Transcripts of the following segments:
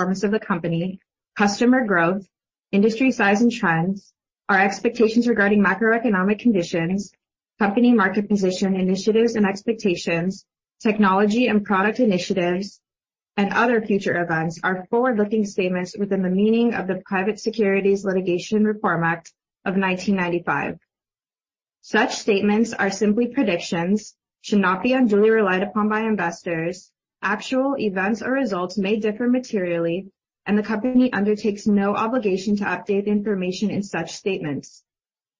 Performance of the company, customer growth, industry size and trends, our expectations regarding macroeconomic conditions, company market position initiatives and expectations, technology and product initiatives, and other future events are forward-looking statements within the meaning of the Private Securities Litigation Reform Act of 1995. Such statements are simply predictions, should not be unduly relied upon by investors. Actual events or results may differ materially. The company undertakes no obligation to update the information in such statements.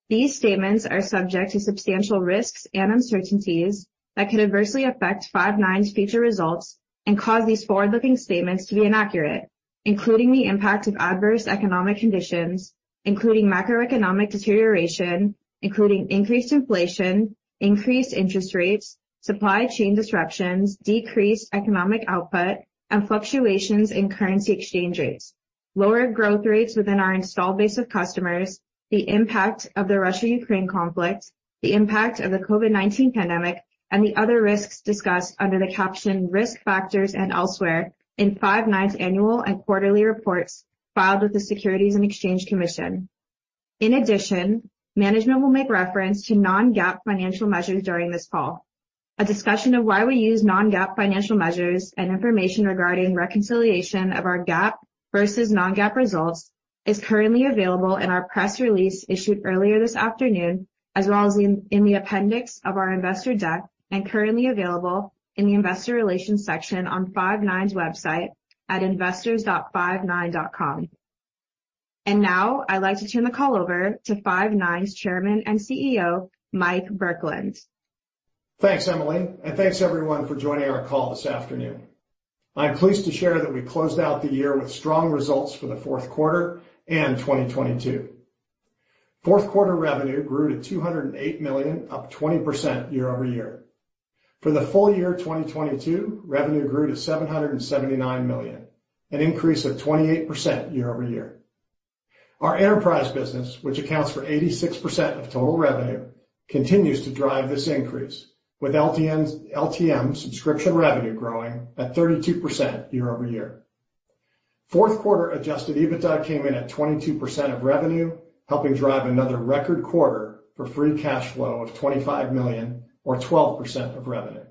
These statements are subject to substantial risks and uncertainties that could adversely affect Five9's future results and cause these forward-looking statements to be inaccurate, including the impact of adverse economic conditions, including macroeconomic deterioration, including increased inflation, increased interest rates, supply chain disruptions, decreased economic output, and fluctuations in currency exchange rates, lower growth rates within our installed base of customers, the impact of the Russia-Ukraine conflict, the impact of the COVID-19 pandemic, and the other risks discussed under the caption Risk Factors and elsewhere in Five9's annual and quarterly reports filed with the Securities and Exchange Commission. In addition, management will make reference to Non-GAAP financial measures during this call. A discussion of why we use Non-GAAP financial measures and information regarding reconciliation of our GAAP versus Non-GAAP results is currently available in our press release issued earlier this afternoon, as well as in the appendix of our investor deck, and currently available in the investor relations section on Five9's website at investors.five9.com. Now I'd like to turn the call over to Five9's Chairman and CEO, Mike Burkland. Thanks, Emily, and thanks everyone for joining our call this afternoon. I'm pleased to share that we closed out the year with strong results for the fourth quarter and 2022. Fourth quarter revenue grew to $208 million, up 20% year-over-year. For the full year 2022, revenue grew to $779 million, an increase of 28% year-over-year. Our enterprise business, which accounts for 86% of total revenue, continues to drive this increase, with LTM subscription revenue growing at 32% year-over-year. Fourth quarter adjusted EBITDA came in at 22% of revenue, helping drive another record quarter for free cash flow of $25 million or 12% of revenue.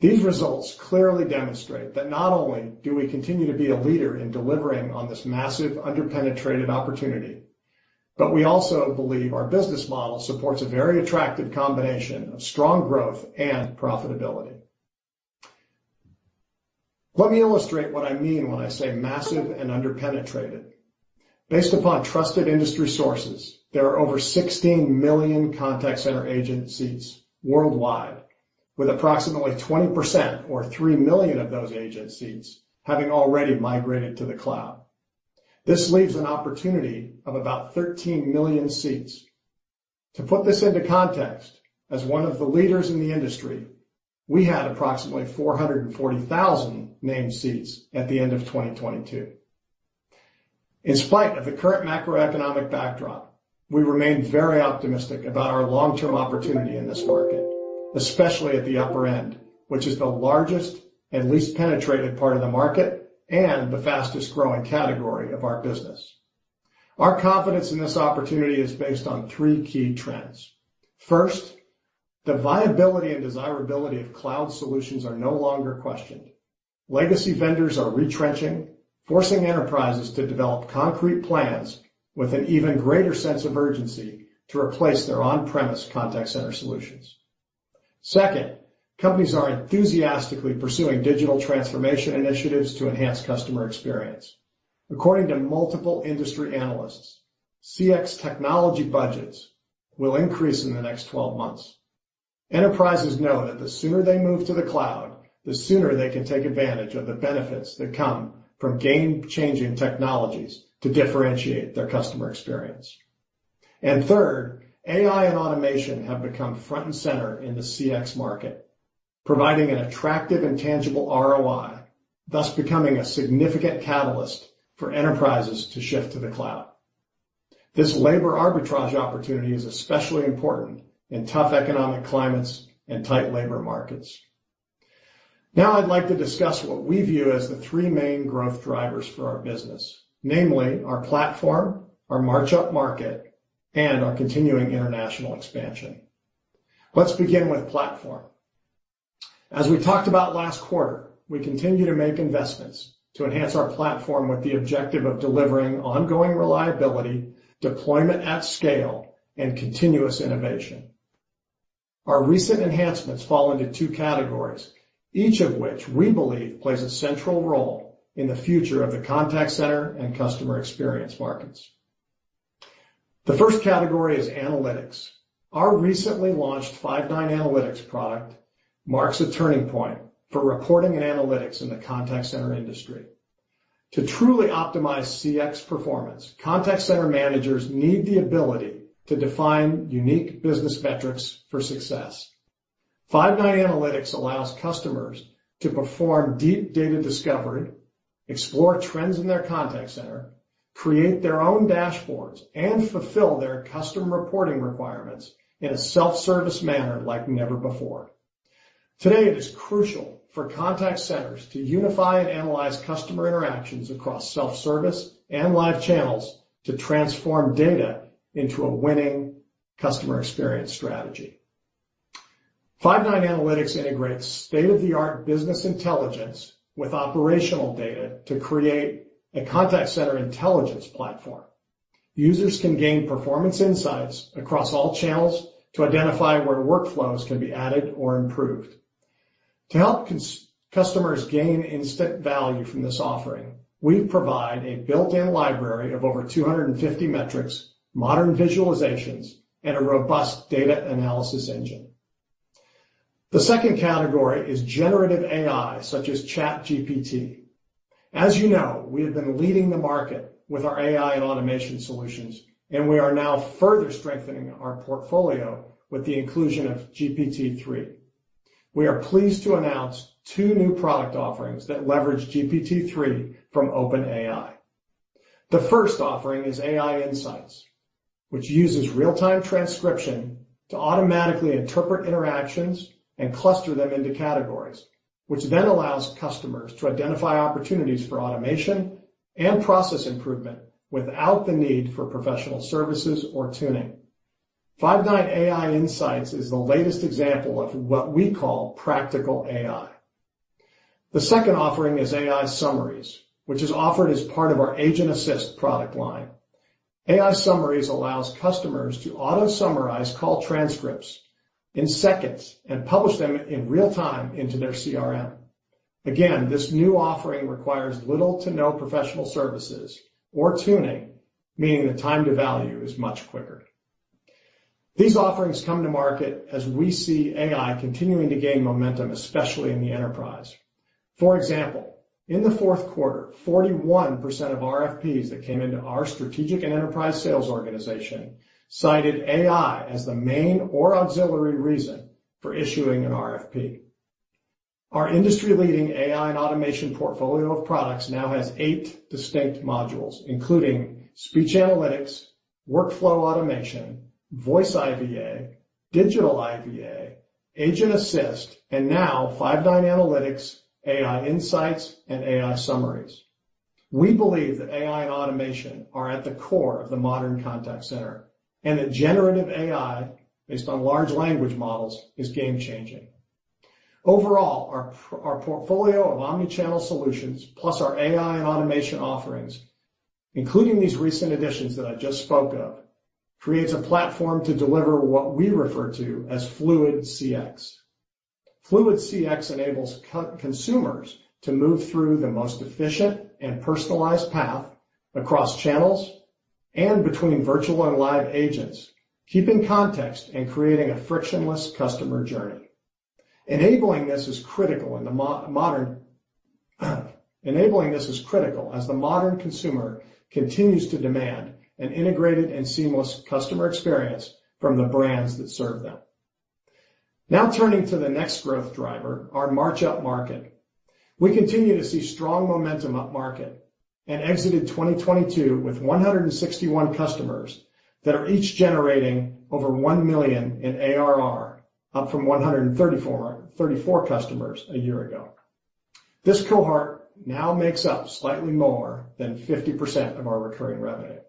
These results clearly demonstrate that not only do we continue to be a leader in delivering on this massive underpenetrated opportunity, we also believe our business model supports a very attractive combination of strong growth and profitability. Let me illustrate what I mean when I say massive and underpenetrated. Based upon trusted industry sources, there are over 16 million contact center agent seats worldwide, with approximately 20% or three million of those agent seats having already migrated to the cloud. This leaves an opportunity of about 13 million seats. To put this into context, as one of the leaders in the industry, we had approximately 440,000 named seats at the end of 2022. In spite of the current macroeconomic backdrop, we remain very optimistic about our long-term opportunity in this market, especially at the upper end, which is the largest and least penetrated part of the market and the fastest growing category of our business. Our confidence in this opportunity is based on three key trends. First, the viability and desirability of cloud solutions are no longer questioned. Legacy vendors are retrenching, forcing enterprises to develop concrete plans with an even greater sense of urgency to replace their on-premise contact center solutions. Second, companies are enthusiastically pursuing digital transformation initiatives to enhance customer experience. According to multiple industry analysts, CX technology budgets will increase in the next 12 months. Enterprises know that the sooner they move to the cloud, the sooner they can take advantage of the benefits that come from game-changing technologies to differentiate their customer experience. Third, AI and automation have become front and center in the CX market, providing an attractive and tangible ROI, thus becoming a significant catalyst for enterprises to shift to the cloud. This labor arbitrage opportunity is especially important in tough economic climates and tight labor markets. Now I'd like to discuss what we view as the three main growth drivers for our business, namely our platform, our march-up market, and our continuing international expansion. Let's begin with platform. As we talked about last quarter, we continue to make investments to enhance our platform with the objective of delivering ongoing reliability, deployment at scale, and continuous innovation. Our recent enhancements fall into two categories, each of which we believe plays a central role in the future of the contact center and customer experience markets. The first category is analytics. Our recently launched Five9 Analytics product marks a turning point for reporting and analytics in the contact center industry. To truly optimize CX performance, contact center managers need the ability to define unique business metrics for success. Five9 Analytics allows customers to perform deep data discovery, explore trends in their contact center, create their own dashboards and fulfill their custom reporting requirements in a self-service manner like never before. Today, it is crucial for contact centers to unify and analyze customer interactions across self-service and live channels to transform data into a winning customer experience strategy. Five9 Analytics integrates state-of-the-art business intelligence with operational data to create a contact center intelligence platform. Users can gain performance insights across all channels to identify where workflows can be added or improved. To help customers gain instant value from this offering, we provide a built-in library of over 250 metrics, modern visualizations, and a robust data analysis engine. The second category is generative AI, such as ChatGPT. As you know, we have been leading the market with our AI and automation solutions, and we are now further strengthening our portfolio with the inclusion of GPT-3. We are pleased to announce two new product offerings that leverage GPT-3 from OpenAI. The first offering is AI Insights, which uses real-time transcription to automatically interpret interactions and cluster them into categories, which then allows customers to identify opportunities for automation and process improvement without the need for professional services or tuning. Five9 AI Insights is the latest example of what we call practical AI. The second offering is AI Summaries, which is offered as part of our Agent Assist product line. AI Summaries allows customers to auto-summarize call transcripts in seconds and publish them in real-time into their CRM. This new offering requires little to no professional services or tuning, meaning the time to value is much quicker. These offerings come to market as we see AI continuing to gain momentum, especially in the enterprise. For example, in the fourth quarter, 41% of RFPs that came into our strategic and enterprise sales organization cited AI as the main or auxiliary reason for issuing an RFP. Our industry-leading AI and automation portfolio of products now has eight distinct modules, including speech analytics, workflow automation, voice IVA, digital IVA, Agent Assist, and now Five9 Analytics, AI Insights, and AI Summaries. We believe that AI and automation are at the core of the modern contact center, and that generative AI, based on large language models, is game-changing. Overall, our portfolio of omnichannel solutions, plus our AI and automation offerings, including these recent additions that I just spoke of, creates a platform to deliver what we refer to as fluid CX. Fluid CX enables consumers to move through the most efficient and personalized path across channels and between virtual and live agents, keeping context and creating a frictionless customer journey. Enabling this is critical as the modern consumer continues to demand an integrated and seamless customer experience from the brands that serve them. Turning to the next growth driver, our march up market. We continue to see strong momentum up market and exited 2022 with 161 customers that are each generating over $1 million in ARR, up from 134 customers a year ago. This cohort now makes up slightly more than 50% of our recurring revenue.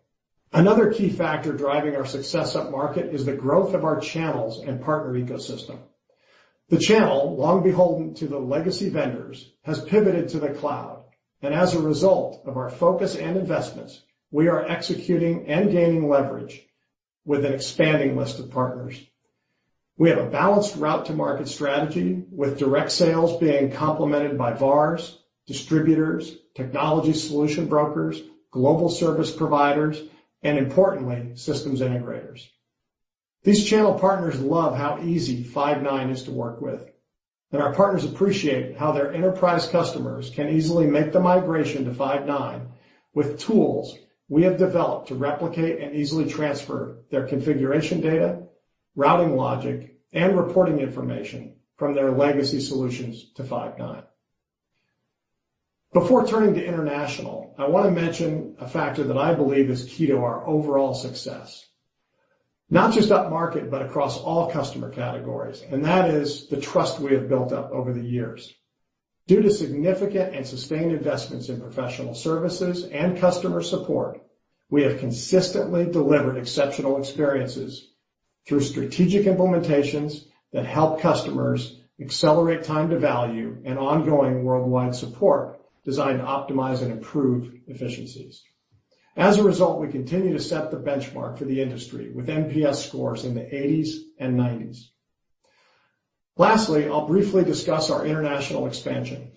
Another key factor driving our success up market is the growth of our channels and partner ecosystem. The channel, long beholden to the legacy vendors, has pivoted to the cloud. As a result of our focus and investments, we are executing and gaining leverage with an expanding list of partners. We have a balanced route to market strategy, with direct sales being complemented by VARs, distributors, technology solution brokers, global service providers, and importantly, systems integrators. These channel partners love how easy Five9 is to work with. Our partners appreciate how their enterprise customers can easily make the migration to Five9 with tools we have developed to replicate and easily transfer their configuration data, routing logic, and reporting information from their legacy solutions to Five9. Before turning to international, I want to mention a factor that I believe is key to our overall success. Not just up market, but across all customer categories. That is the trust we have built up over the years. Due to significant and sustained investments in professional services and customer support, we have consistently delivered exceptional experiences through strategic implementations that help customers accelerate time to value and ongoing worldwide support designed to optimize and improve efficiencies. As a result, we continue to set the benchmark for the industry with NPS scores in the 80s and 90s. Lastly, I'll briefly discuss our international expansion.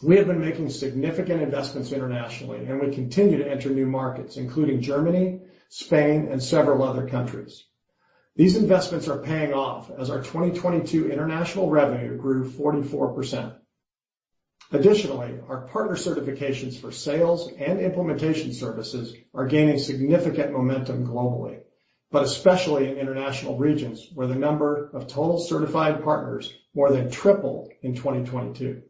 We have been making significant investments internationally, and we continue to enter new markets, including Germany, Spain, and several other countries. These investments are paying off as our 2022 international revenue grew 44%. Additionally, our partner certifications for sales and implementation services are gaining significant momentum globally. Especially in international regions, where the number of total certified partners more than tripled in 2022.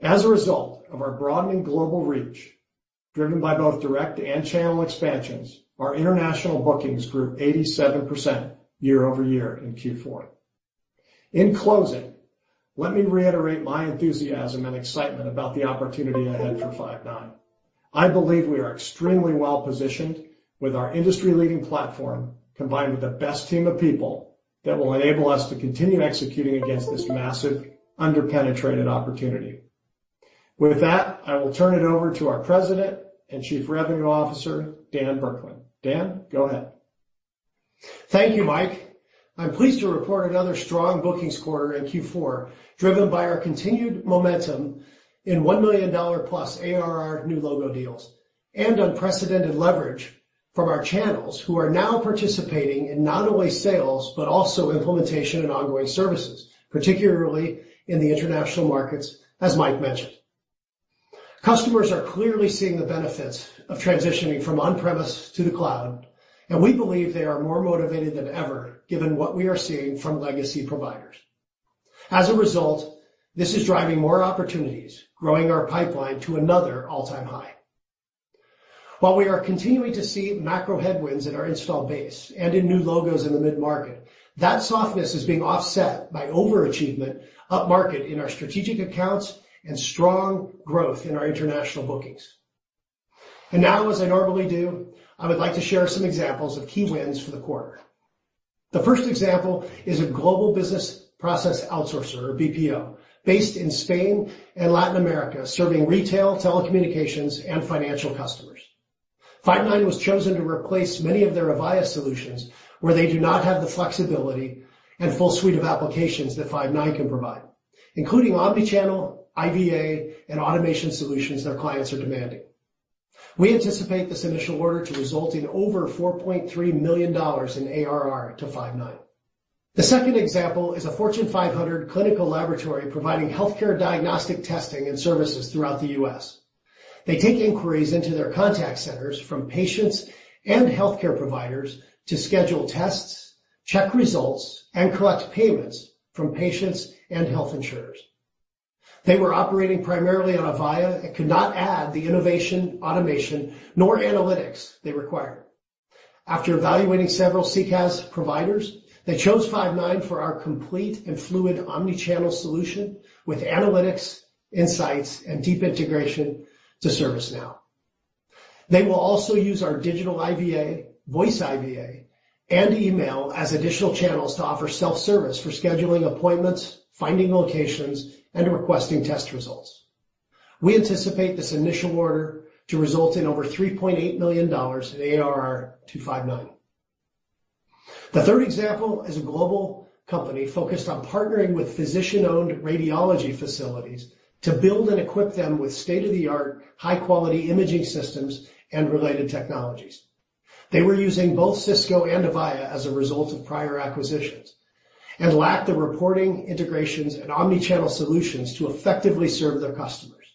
As a result of our broadening global reach, driven by both direct and channel expansions, our international bookings grew 87% year-over-year in Q4. In closing, let me reiterate my enthusiasm and excitement about the opportunity ahead for Five9. I believe we are extremely well-positioned with our industry-leading platform, combined with the best team of people that will enable us to continue executing against this massive under-penetrated opportunity. With that, I will turn it over to our President and Chief Revenue Officer, Dan Burkland. Dan, go ahead. Thank you, Mike. I'm pleased to report another strong bookings quarter in Q4, driven by our continued momentum in $1 million plus ARR new logo deals and unprecedented leverage from our channels who are now participating in not only sales but also implementation and ongoing services, particularly in the international markets, as Mike mentioned. Customers are clearly seeing the benefits of transitioning from on-premise to the cloud. We believe they are more motivated than ever, given what we are seeing from legacy providers. As a result, this is driving more opportunities, growing our pipeline to another all-time high. While we are continuing to see macro headwinds in our installed base and in new logos in the mid-market, that softness is being offset by over-achievement upmarket in our strategic accounts and strong growth in our international bookings. Now, as I normally do, I would like to share some examples of key wins for the quarter. The first example is a global business process outsourcer, or BPO, based in Spain and Latin America, serving retail, telecommunications, and financial customers. Five9 was chosen to replace many of their Avaya solutions, where they do not have the flexibility and full suite of applications that Five9 can provide, including omni-channel, IVA, and automation solutions their clients are demanding. We anticipate this initial order to result in over $4.3 million in ARR to Five9. The second example is a Fortune 500 clinical laboratory providing healthcare diagnostic testing and services throughout the U.S. They take inquiries into their contact centers from patients and healthcare providers to schedule tests, check results, and collect payments from patients and health insurers. They were operating primarily on Avaya and could not add the innovation, automation, nor analytics they require. After evaluating several CCaaS providers, they chose Five9 for our complete and fluid omnichannel solution with analytics, insights, and deep integration to ServiceNow. They will also use our digital IVA, voice IVA, and email as additional channels to offer self-service for scheduling appointments, finding locations, and requesting test results. We anticipate this initial order to result in over $3.8 million in ARR to Five9. The third example is a global company focused on partnering with physician-owned radiology facilities to build and equip them with state-of-the-art, high-quality imaging systems and related technologies. They were using both Cisco and Avaya as a result of prior acquisitions and lacked the reporting integrations and omnichannel solutions to effectively serve their customers.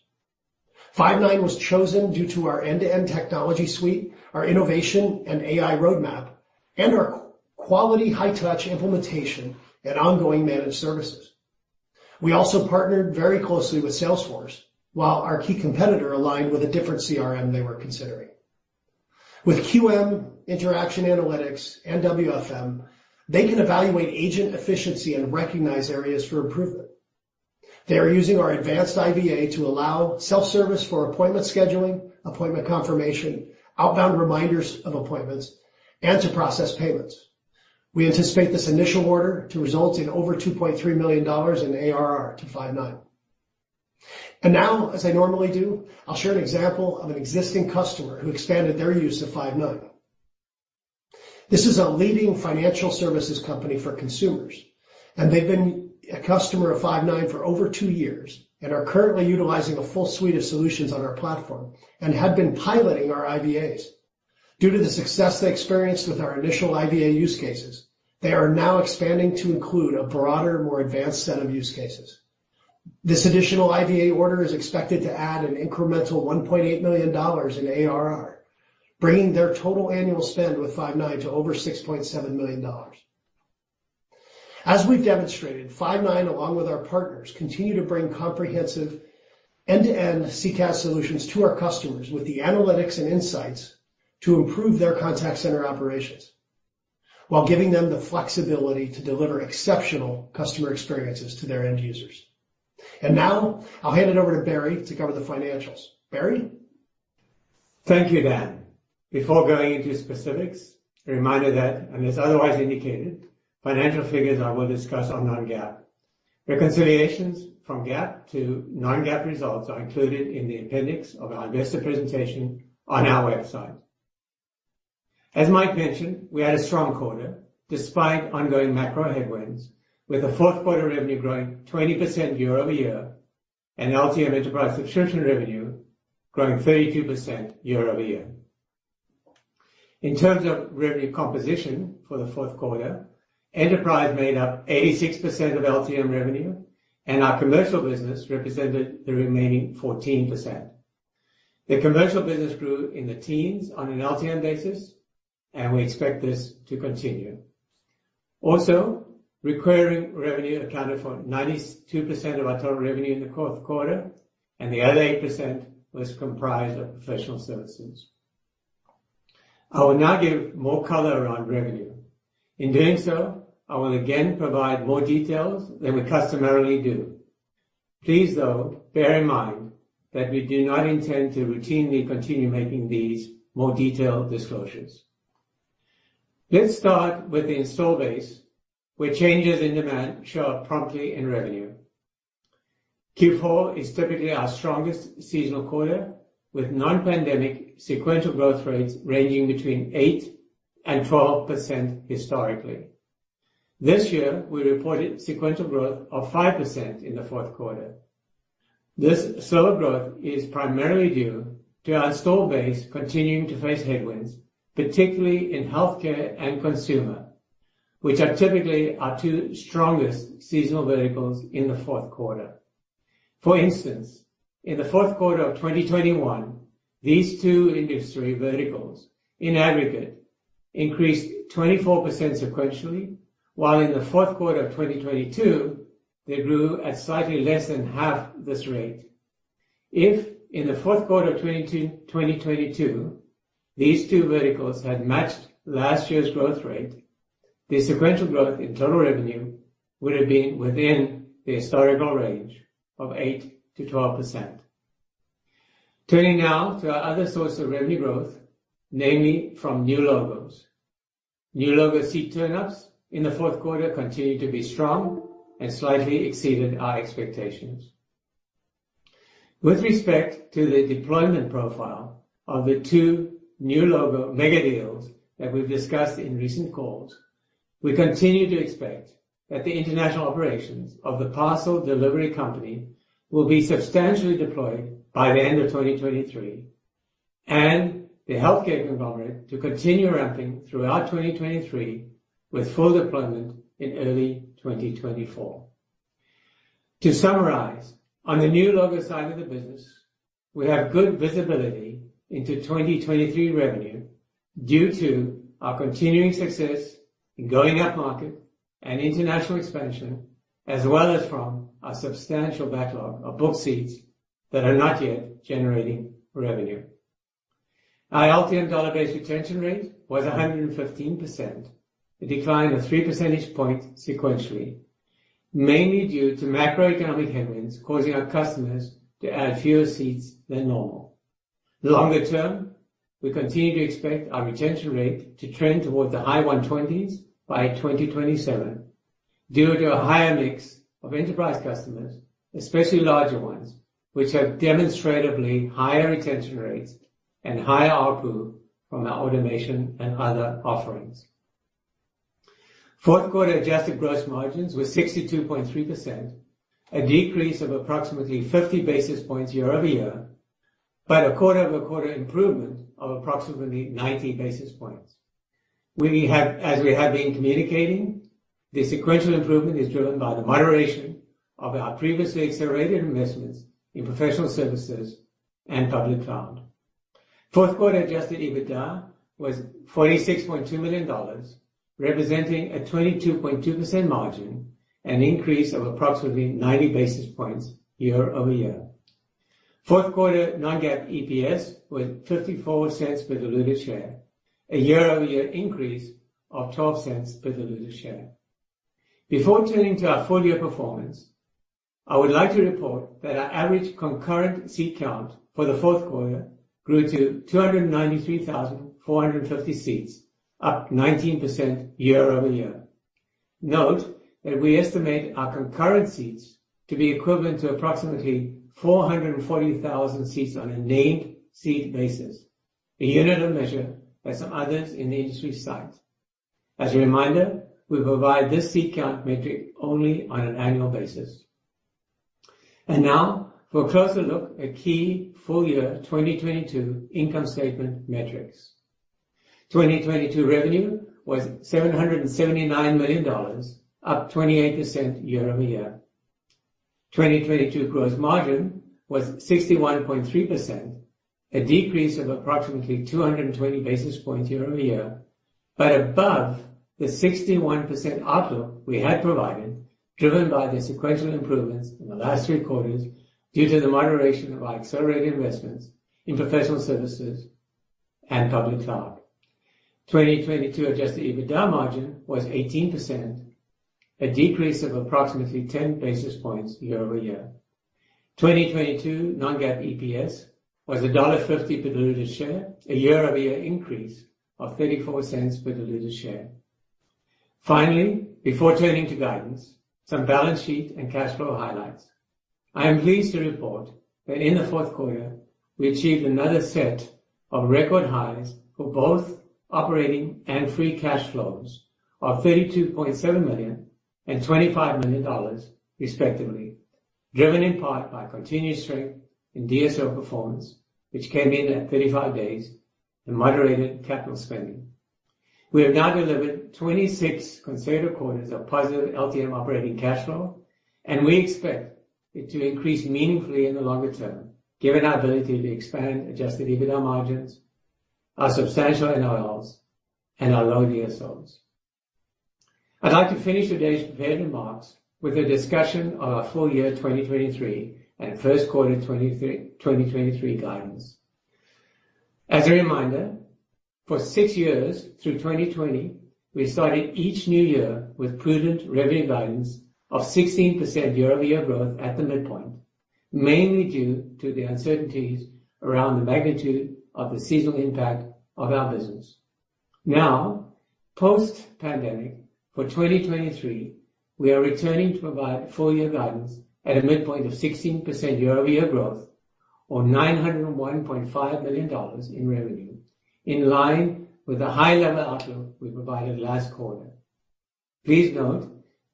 Five9 was chosen due to our end-to-end technology suite, our innovation and AI roadmap, and our quality high-touch implementation and ongoing managed services. We also partnered very closely with Salesforce, while our key competitor aligned with a different CRM they were considering. With QM Interaction Analytics and WFM, they can evaluate agent efficiency and recognize areas for improvement. They are using our advanced IVA to allow self-service for appointment scheduling, appointment confirmation, outbound reminders of appointments, and to process payments. We anticipate this initial order to result in over $2.3 million in ARR to Five9. Now, as I normally do, I'll share an example of an existing customer who expanded their use of Five9. This is a leading financial services company for consumers, they've been a customer of Five9 for over two years and are currently utilizing a full suite of solutions on our platform and have been piloting our IVAs. Due to the success they experienced with our initial IVA use cases, they are now expanding to include a broader, more advanced set of use cases. This additional IVA order is expected to add an incremental $1.8 million in ARR, bringing their total annual spend with Five9 to over $6.7 million. As we've demonstrated, Five9, along with our partners, continue to bring comprehensive end-to-end CCaaS solutions to our customers with the analytics and insights to improve their contact center operations while giving them the flexibility to deliver exceptional customer experiences to their end users. Now I'll hand it over to Barry to cover the financials. Barry? Thank you, Dan. Before going into specifics, a reminder that, unless otherwise indicated, financial figures I will discuss are Non-GAAP. Reconciliations from GAAP to Non-GAAP results are included in the appendix of our investor presentation on our website. As Mike mentioned, we had a strong quarter despite ongoing macro headwinds, with the fourth quarter revenue growing 20% year-over-year and LTM enterprise subscription revenue growing 32% year-over-year. In terms of revenue composition for the fourth quarter, enterprise made up 86% of LTM revenue and our commercial business represented the remaining 14%. The commercial business grew in the teens on an LTM basis, and we expect this to continue. Recurring revenue accounted for 92% of our total revenue in the fourth quarter, and the other 8% was comprised of professional services. I will now give more color on revenue. In doing so, I will again provide more details than we customarily do. Please, though, bear in mind that we do not intend to routinely continue making these more detailed disclosures. Let's start with the install base, where changes in demand show up promptly in revenue. Q4 is typically our strongest seasonal quarter, with non-pandemic sequential growth rates ranging between 8% and 12% historically. This year, we reported sequential growth of 5% in the fourth quarter. This slower growth is primarily due to our install base continuing to face headwinds, particularly in healthcare and consumer, which are typically our two strongest seasonal verticals in the fourth quarter. For instance, in the fourth quarter of 2021, these two industry verticals, in aggregate, increased 24% sequentially, while in the fourth quarter of 2022, they grew at slightly less than half this rate. If in the fourth quarter of 2022, these two verticals had matched last year's growth rate, the sequential growth in total revenue would have been within the historical range of 8%-12%. Turning now to our other source of revenue growth, namely from new logos. New logo seat turn-ups in the fourth quarter continued to be strong and slightly exceeded our expectations. With respect to the deployment profile of the two new logo megadeals that we've discussed in recent calls, we continue to expect that the international operations of the parcel delivery company will be substantially deployed by the end of 2023, and the healthcare conglomerate to continue ramping throughout 2023, with full deployment in early 2024. To summarize, on the new logo side of the business, we have good visibility into 2023 revenue due to our continuing success in going up market and international expansion, as well as from our substantial backlog of booked seats that are not yet generating revenue. Our LTM dollar-based retention rate was 115%, a decline of three percentage points sequentially, mainly due to macroeconomic headwinds causing our customers to add fewer seats than normal. Longer-term, we continue to expect our retention rate to trend towards the high 120s by 2027 due to a higher mix of enterprise customers, especially larger ones, which have demonstratively higher retention rates and higher ARPU from our automation and other offerings. Fourth quarter adjusted gross margins were 62.3%, a decrease of approximately 50 basis points year-over-year, but a quarter-over-quarter improvement of approximately 90 basis points. As we have been communicating, the sequential improvement is driven by the moderation of our previously accelerated investments in professional services and public cloud. Fourth quarter adjusted EBITDA was $46.2 million, representing a 22.2% margin, an increase of approximately 90 basis points year-over-year. Fourth quarter Non-GAAP EPS was $0.54 per diluted share, a year-over-year increase of $0.12 per diluted share. Before turning to our full year performance, I would like to report that our average concurrent seat count for the fourth quarter grew to 293,450 seats, up 19% year-over-year. Note that we estimate our concurrent seats to be equivalent to approximately 440,000 seats on a named seat basis, a unit of measure by some others in the industry site. As a reminder, we provide this seat count metric only on an annual basis. Now for a closer look at key full year 2022 income statement metrics. 2022 revenue was $779 million, up 28% year-over-year. 2022 gross margin was 61.3%, a decrease of approximately 220 basis points year-over-year, but above the 61% outlook we had provided, driven by the sequential improvements in the last three quarters due to the moderation of our accelerated investments in professional services and public cloud. 2022 adjusted EBITDA margin was 18%, a decrease of approximately 10 basis points year-over-year. 2022 Non-GAAP EPS was $1.50 per diluted share, a year-over-year increase of $0.34 per diluted share. Finally, before turning to guidance, some balance sheet and cash flow highlights. I am pleased to report that in the fourth quarter, we achieved another set of record highs for both operating and free cash flows of $32.7 million and $25 million, respectively, driven in part by continuous strength in DSO performance, which came in at 35 days and moderated capital spending. We have now delivered 26 consecutive quarters of positive LTM operating cash flow, and we expect it to increase meaningfully in the longer-term, given our ability to expand adjusted EBITDA margins, our substantial NOLs, and our low DSLs. I'd like to finish today's prepared remarks with a discussion of our full year 2023 and first quarter 23, 2023 guidance. As a reminder, for six years through 2020, we started each new year with prudent revenue guidance of 16% year-over-year growth at the midpoint, mainly due to the uncertainties around the magnitude of the seasonal impact of our business. Post-pandemic, for 2023, we are returning to provide full year guidance at a midpoint of 16% year-over-year growth or $901.5 million in revenue, in line with the high level outlook we provided last quarter. Please note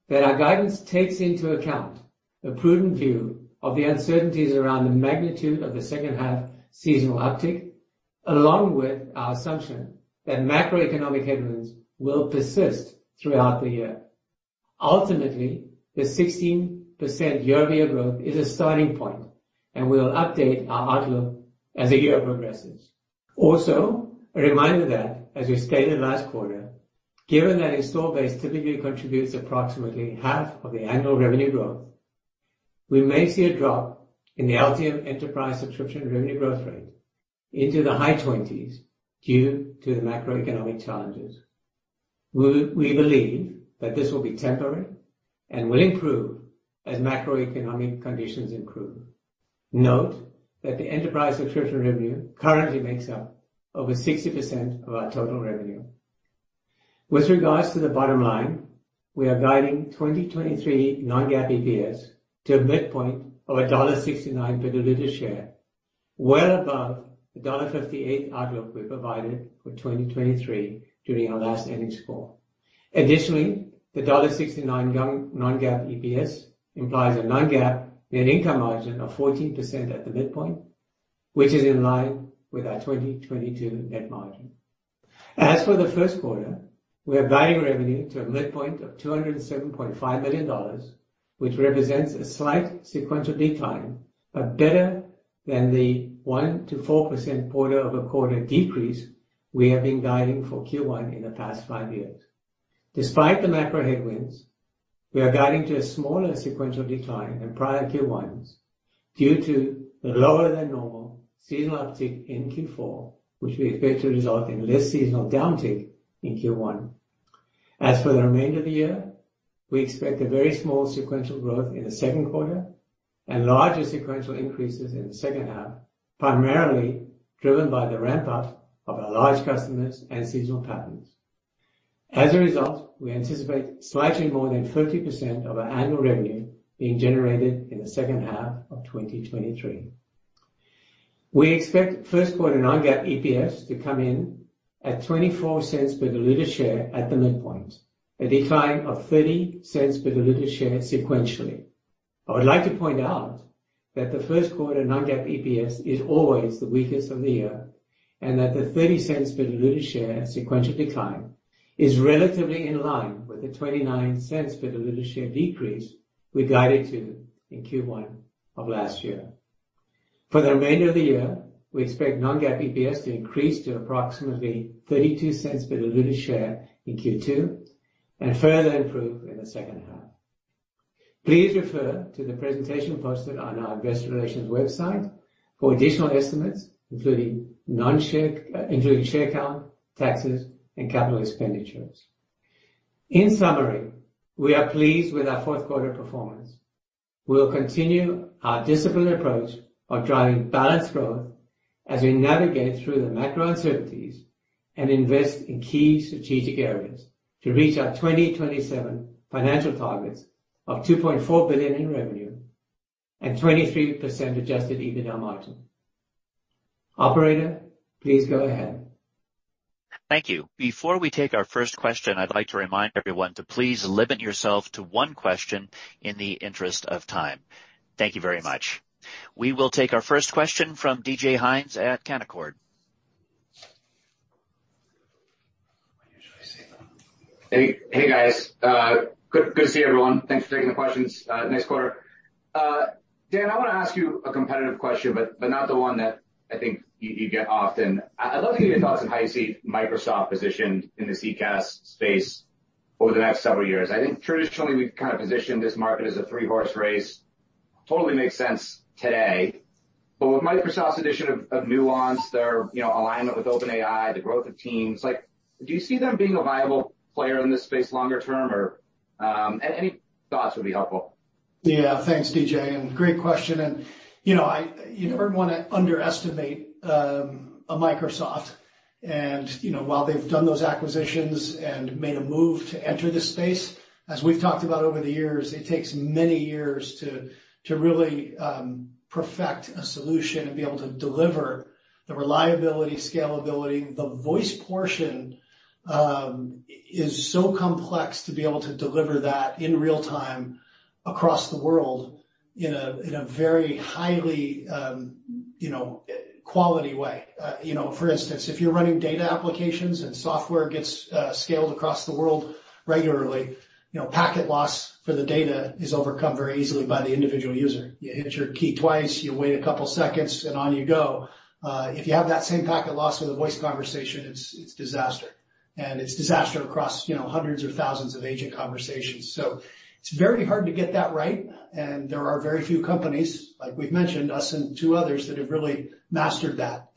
that our guidance takes into account a prudent view of the uncertainties around the magnitude of the second half seasonal uptick, along with our assumption that macroeconomic headwinds will persist throughout the year. The 16% year-over-year growth is a starting point, and we will update our outlook as the year progresses. A reminder that, as we stated last quarter, given that install base typically contributes approximately half of the annual revenue growth, we may see a drop in the LTM enterprise subscription revenue growth rate into the high 20s due to the macroeconomic challenges. We believe that this will be temporary and will improve as macroeconomic conditions improve. Note that the enterprise subscription revenue currently makes up over 60% of our total revenue. With regards to the bottom line, we are guiding 2023 Non-GAAP EPS to a midpoint of $1.69 per diluted share, well above the $1.58 outlook we provided for 2023 during our last earnings call. Additionally, the $1.69 Non-GAAP EPS implies a Non-GAAP net income margin of 14% at the midpoint, which is in line with our 2022 net margin. As for the first quarter, we are guiding revenue to a midpoint of $207.5 million, which represents a slight sequential decline, but better than the 1%-4% quarter-over-quarter decrease we have been guiding for Q1 in the past five years. Despite the macro headwinds, we are guiding to a smaller sequential decline in prior Q1s due to the lower than normal seasonal uptick in Q4, which we expect to result in less seasonal downtick in Q1. As for the remainder of the year, we expect a very small sequential growth in the second quarter and larger sequential increases in the second half, primarily driven by the ramp up of our large customers and seasonal patterns. As a result, we anticipate slightly more than 30% of our annual revenue being generated in the second half of 2023. We expect first quarter Non-GAAP EPS to come in at $0.24 per diluted share at the midpoint, a decline of $0.30 per diluted share sequentially. I would like to point out that the first quarter Non-GAAP EPS is always the weakest of the year, and that the $0.30 per diluted share sequential decline is relatively in line with the $0.29 per diluted share decrease we guided to in Q1 of last year. For the remainder of the year, we expect Non-GAAP EPS to increase to approximately $0.32 per diluted share in Q2 and further improve in the second half. Please refer to the presentation posted on our investor relations website for additional estimates, including share count, taxes, and capital expenditures. In summary, we are pleased with our fourth quarter performance. We will continue our disciplined approach of driving balanced growth as we navigate through the macro uncertainties and invest in key strategic areas to reach our 2027 financial targets of $2.4 billion in revenue and 23% adjusted EBITDA margin. Operator, please go ahead. Thank you. Before we take our first question, I'd like to remind everyone to please limit yourself to one question in the interest of time. Thank you very much. We will take our first question from DJ Hynes at Canaccord. Hey, guys. Good to see everyone. Thanks for taking the questions. Nice quarter. Dan, I wanna ask you a competitive question, but not the one that I think you get often. I'd love to get your thoughts on how you see Microsoft positioned in the CCaaS space over the next several years. I think traditionally we've kind of positioned this market as a three-horse race. Totally makes sense today. With Microsoft's addition of Nuance, their, you know, alignment with OpenAI, the growth of Teams, like do you see them being a viable player in this space longer-term or? Any thoughts would be helpful. Yeah. Thanks, DJ, great question. You know, you never wanna underestimate a Microsoft. You know, while they've done those acquisitions and made a move to enter this space, as we've talked about over the years, it takes many years to really perfect a solution and be able to deliver the reliability, scalability. The voice portion is so complex to be able to deliver that in real time across the world in a very highly secure You know, quality way. You know, for instance, if you're running data applications and software gets scaled across the world regularly, you know, packet loss for the data is overcome very easily by the individual user. You hit your key twice, you wait a couple seconds, and on you go. If you have that same packet loss with a voice conversation, it's disaster, and it's disaster across, you know, hundreds of thousands of agent conversations. It's very hard to get that right. There are very few companies, like we've mentioned, us and two others, that have really mastered that.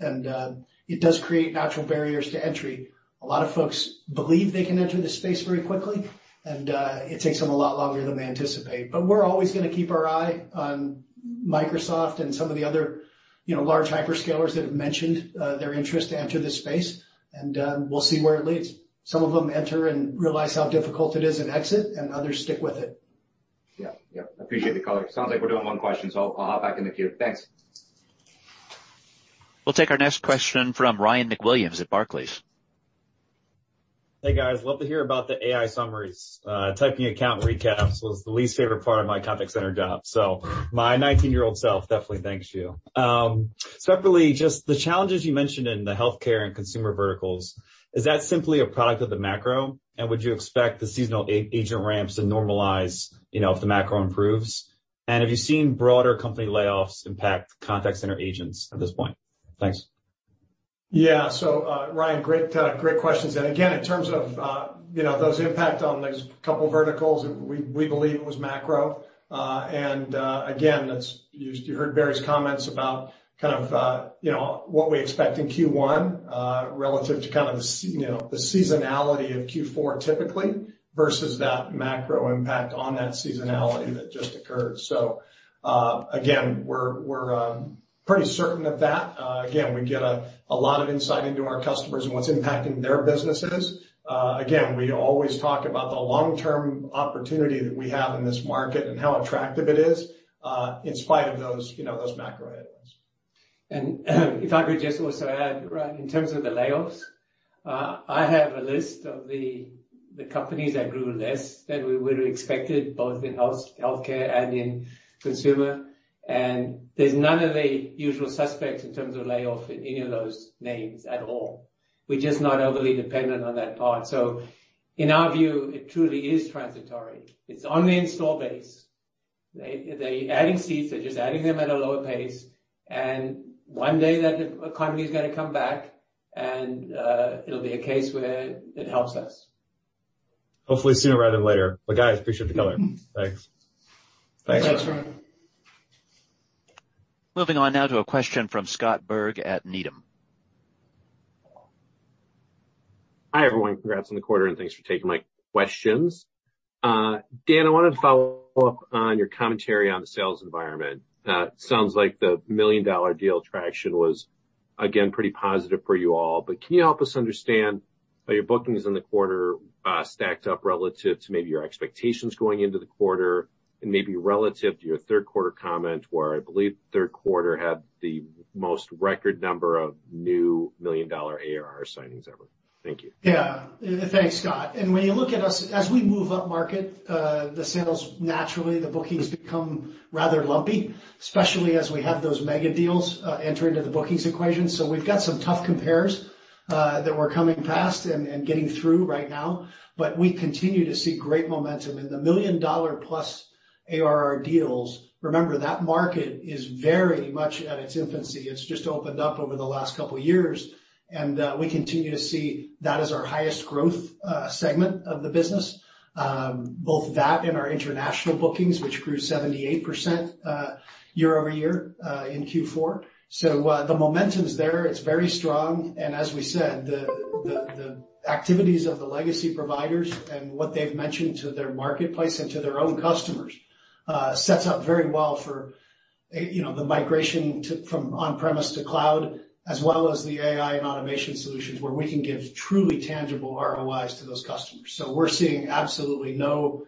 It does create natural barriers to entry. A lot of folks believe they can enter the space very quickly, and it takes them a lot longer than they anticipate. We're always gonna keep our eye on Microsoft and some of the other, you know, large hyperscalers that have mentioned their interest to enter this space, and we'll see where it leads. Some of them enter and realize how difficult it is and exit, and others stick with it. Yeah. Yeah. Appreciate the color. Sounds like we're doing one question, so I'll hop back in the queue. Thanks. We'll take our next question from Ryan MacWilliams at Barclays. Hey, guys. Love to hear about the AI summaries. Typing account recaps was the least favorite part of my contact center job. My 19-year-old self definitely thanks you. Separately, just the challenges you mentioned in the healthcare and consumer verticals, is that simply a product of the macro? Would you expect the seasonal agent ramps to normalize, you know, if the macro improves? Have you seen broader company layoffs impact contact center agents at this point? Thanks. Yeah. Ryan, great questions. Again, in terms of, you know, those impact on those couple verticals, we believe it was macro. Again, you heard Barry's comments about kind of, you know, what we expect in Q1 relative to kind of the seasonality of Q4 typically versus that macro impact on that seasonality that just occurred. Again, we're pretty certain of that. Again, we get a lot of insight into our customers and what's impacting their businesses. Again, we always talk about the long-term opportunity that we have in this market and how attractive it is in spite of those, you know, those macro headwinds. If I could just also add, Ryan, in terms of the layoffs, I have a list of the companies that grew less than we would have expected, both in healthcare and in consumer, and there's none of the usual suspects in terms of layoff in any of those names at all. We're just not overly dependent on that part. In our view, it truly is transitory. It's on the install base. They're adding seats, they're just adding them at a lower pace. One day that economy is gonna come back and it'll be a case where it helps us. Hopefully sooner rather than later. Guys, appreciate the color. Thanks. Thanks. Thanks, Ryan. Moving on now to a question from Scott Berg at Needham. Hi, everyone. Congrats on the quarter, and thanks for taking my questions. Dan, I wanted to follow up on your commentary on the sales environment. Sounds like the million-dollar deal traction was again pretty positive for you all, but can you help us understand how your bookings in the quarter stacked up relative to maybe your expectations going into the quarter and maybe relative to your third quarter comment, where I believe third quarter had the most record number of new million-dollar ARR signings ever? Thank you. Yeah. Thanks, Scott. When you look at us as we move upmarket, the sales, naturally the bookings become rather lumpy, especially as we have those mega deals, enter into the bookings equation. We've got some tough compares that we're coming past and getting through right now. We continue to see great momentum in the $1 million plus ARR deals. Remember, that market is very much at its infancy. It's just opened up over the last couple years, and we continue to see that as our highest growth segment of the business. Both that and our international bookings, which grew 78% year-over-year in Q4. The momentum's there, it's very strong. As we said, the activities of the legacy providers and what they've mentioned to their marketplace and to their own customers, sets up very well for, you know, the migration from on-premise to cloud, as well as the AI and automation solutions where we can give truly tangible ROIs to those customers. We're seeing absolutely no,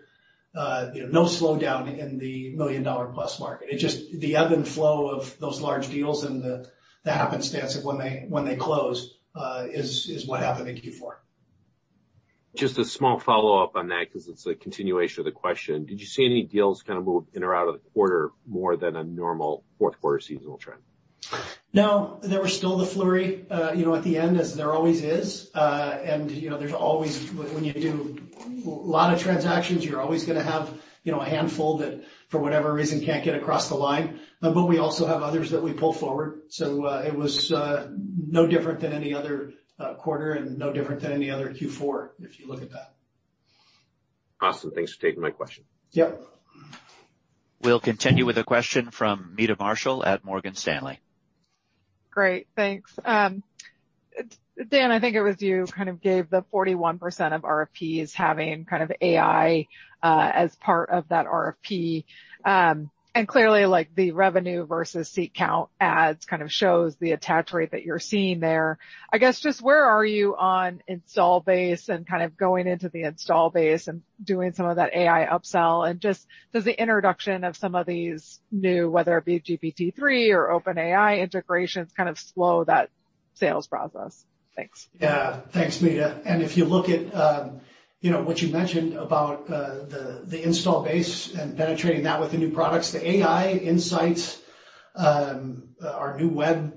you know, no slowdown in the $1 million plus market. It's just the ebb and flow of those large deals and the happenstance of when they, when they close, is what happened in Q4. Just a small follow-up on that because it's a continuation of the question. Did you see any deals kind of move in or out of the quarter more than a normal fourth quarter seasonal trend? No. There was still the flurry, you know, at the end, as there always is. You know, there's always when you do a lot of transactions, you're always gonna have, you know, a handful that, for whatever reason, can't get across the line. We also have others that we pull forward. It was no different than any other quarter and no different than any other Q4, if you look at that. Awesome. Thanks for taking my question. Yep. We'll continue with a question from Meta Marshall at Morgan Stanley. Great, thanks. Dan, I think it was you who kind of gave the 41% of RFPs having kind of AI as part of that RFP. Clearly, like, the revenue versus seat count adds kind of shows the attach rate that you're seeing there. I guess, just where are you on install base and kind of going into the install base and doing some of that AI upsell? Just does the introduction of some of these new, whether it be GPT-3 or OpenAI integrations kind of slow that Sales process. Thanks. Yeah. Thanks, Meta. If you look at, you know, what you mentioned about the install base and penetrating that with the new products, the Five9 AI Insights, our new web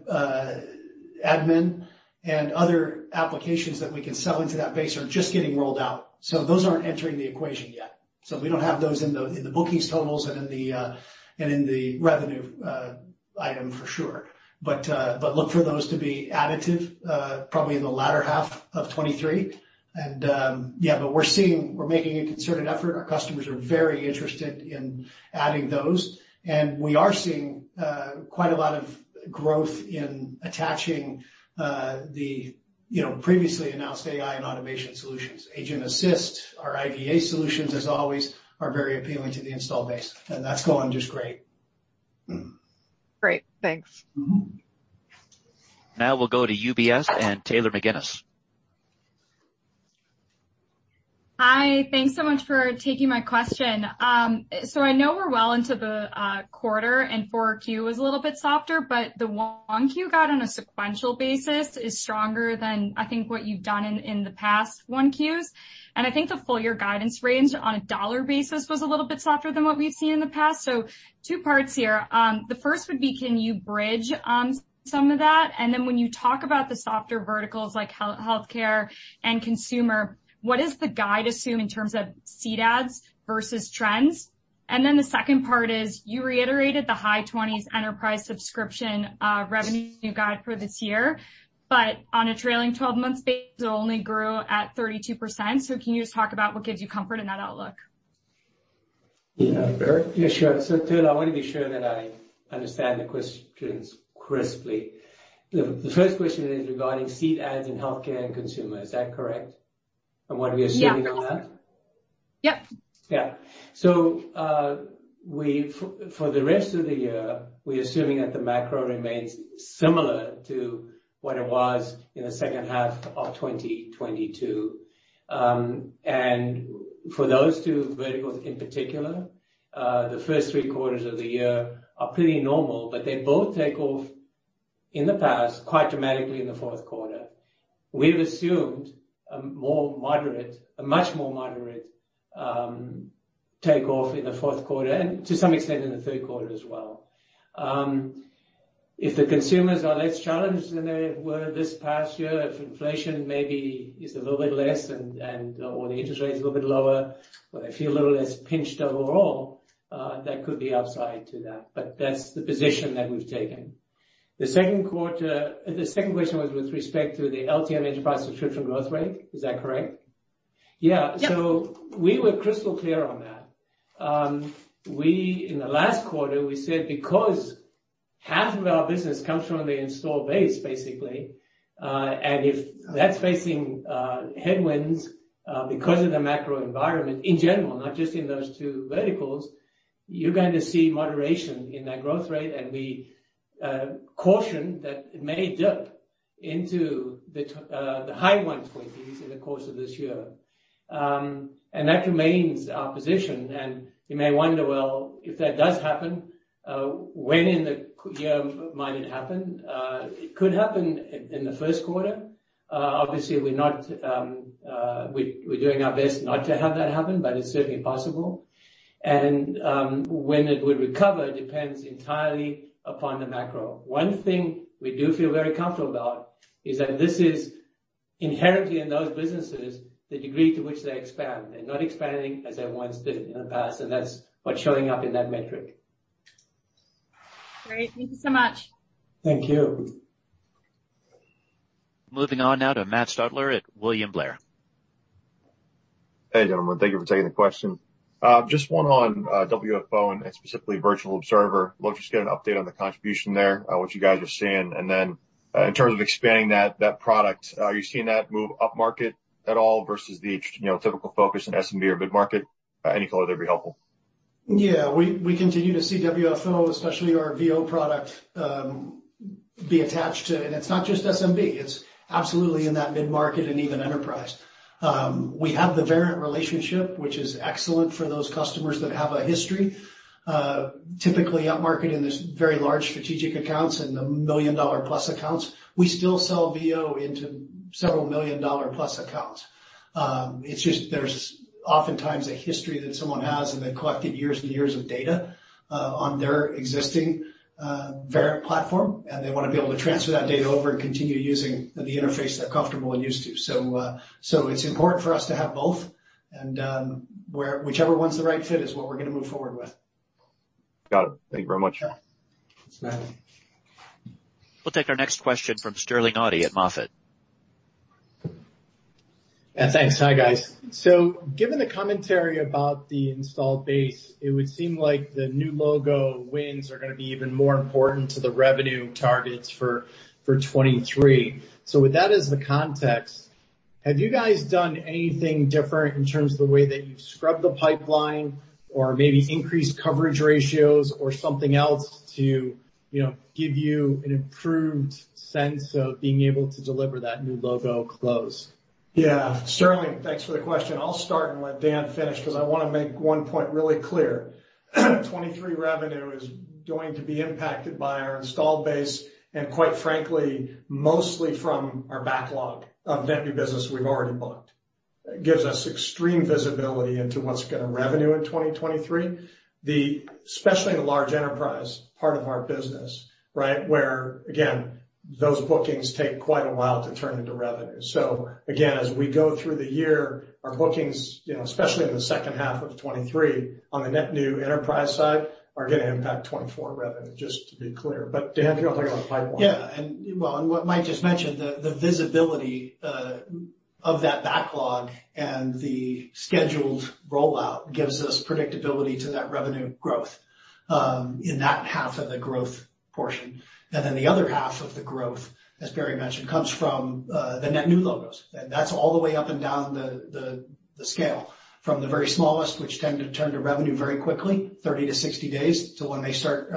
admin and other applications that we can sell into that base are just getting rolled out, so those aren't entering the equation yet. We don't have those in the, in the bookings totals and in the, and in the revenue item for sure. Look for those to be additive, probably in the latter half of 2023. Yeah, but we're making a concerted effort. Our customers are very interested in adding those, and we are seeing quite a lot of growth in attaching the, you know, previously announced AI and automation solutions. Agent Assist, our IVA solutions, as always, are very appealing to the install base. That's going just great. Great. Thanks. Mm-hmm. Now we'll go to UBS and Taylor McGinnis. Hi. Thanks so much for taking my question. I know we're well into the quarter, and 4Q is a little bit softer, but the 1Q got on a sequential basis is stronger than I think what you've done in the past 1Qs. I think the full year guidance range on a $ basis was a little bit softer than what we've seen in the past. Two parts here. The first would be, can you bridge some of that? When you talk about the softer verticals like healthcare and consumer, what is the guide assume in terms of seat adds versus trends? The second part is you reiterated the high 20s enterprise subscription revenue guide for this year, but on a trailing 12 months base, it only grew at 32%. Can you just talk about what gives you comfort in that outlook? Yeah. Barry? Yeah, sure. Taylor, I want to be sure that I understand the questions crisply. The first question is regarding seat adds in healthcare and consumer. Is that correct? What we are assuming on that? Yep. Yeah. For the rest of the year, we're assuming that the macro remains similar to what it was in the second half of 2022. For those two verticals in particular, the first three quarters of the year are pretty normal, but they both take off in the past quite dramatically in the 4th quarter. We've assumed a more moderate, a much more moderate, takeoff in the 4th quarter, and to some extent in the 3rd quarter as well. If the consumers are less challenged than they were this past year, if inflation maybe is a little bit less or the interest rate is a little bit lower, or they feel a little less pinched overall, that could be upside to that, but that's the position that we've taken. The 2nd quarter... The second question was with respect to the LTM enterprise subscription growth rate, is that correct? Yep. We were crystal clear on that. We in the last quarter, we said because half of our business comes from the install base, basically, and if that's facing headwinds, because of the macro environment in general, not just in those two verticals, you're going to see moderation in that growth rate. We caution that it may dip into the high 120s in the course of this year. That remains our position. You may wonder, well, if that does happen, when in the q-year might it happen? It could happen in the first quarter. Obviously we're not, we're doing our best not to have that happen, but it's certainly possible. When it would recover depends entirely upon the macro. One thing we do feel very comfortable about is that this is inherently in those businesses, the degree to which they expand. They're not expanding as they once did in the past. That's what's showing up in that metric. Great. Thank you so much. Thank you. Moving on now to Matt Stotler at William Blair. Hey, gentlemen. Thank you for taking the question. Just one on WFO and specifically Virtual Observer. Just get an update on the contribution there, what you guys are seeing. Then, in terms of expanding that product, are you seeing that move upmarket at all versus the, you know, typical focus in SMB or mid-market? Any color there'd be helpful. Yeah. We continue to see WFO, especially our VO product, be attached to. It's not just SMB, it's absolutely in that mid-market and even enterprise. We have the Verint relationship, which is excellent for those customers that have a history, typically upmarket in these very large strategic accounts and the $1 million-plus accounts. We still sell VO into several $1 million-plus accounts. It's just there's oftentimes a history that someone has, and they've collected years and years of data on their existing Verint platform, and they want to be able to transfer that data over and continue using the interface they're comfortable and used to. It's important for us to have both, and whichever one's the right fit is what we're going to move forward with. Got it. Thank you very much. Thanks, Matt. We'll take our next question from Sterling Auty at MoffettNathanson. Yeah, thanks. Hi, guys. Given the commentary about the install base, it would seem like the new logo wins are gonna be even more important to the revenue targets for 2023. With that as the context, have you guys done anything different in terms of the way that you've scrubbed the pipeline or maybe increased coverage ratios or something else to, you know, give you an improved sense of being able to deliver that new logo close? Yeah. Sterling, thanks for the question. I'll start and let Dan finish because I wanna make one point really clear. 2023 revenue is going to be impacted by our installed base and quite frankly, mostly from our backlog of net new business we've already booked. It gives us extreme visibility into what's gonna revenue in 2023. Especially in the large enterprise part of our business, right? Where again, those bookings take quite a while to turn into revenue. Again, as we go through the year, our bookings, you know, especially in the second half of 2023 on the net new enterprise side, are gonna impact 2024 revenue, just to be clear. Dan, if you want to talk about the pipeline. Yeah. What Mike just mentioned, the visibility of that backlog and the scheduled rollout gives us predictability to that revenue growth in that half of the growth portion. The other half of the growth, as Barry mentioned, comes from the net new logos. That's all the way up and down the scale. From the very smallest, which tend to turn to revenue very quickly, 30-60 days to when they start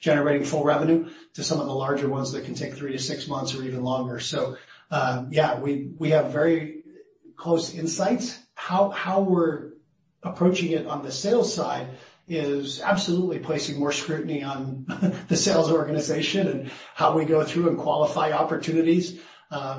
generating full revenue, to some of the larger ones that can take three to six months or even longer. Yeah, we have very close insights. How we're approaching it on the sales side is absolutely placing more scrutiny on the sales organization and how we go through and qualify opportunities,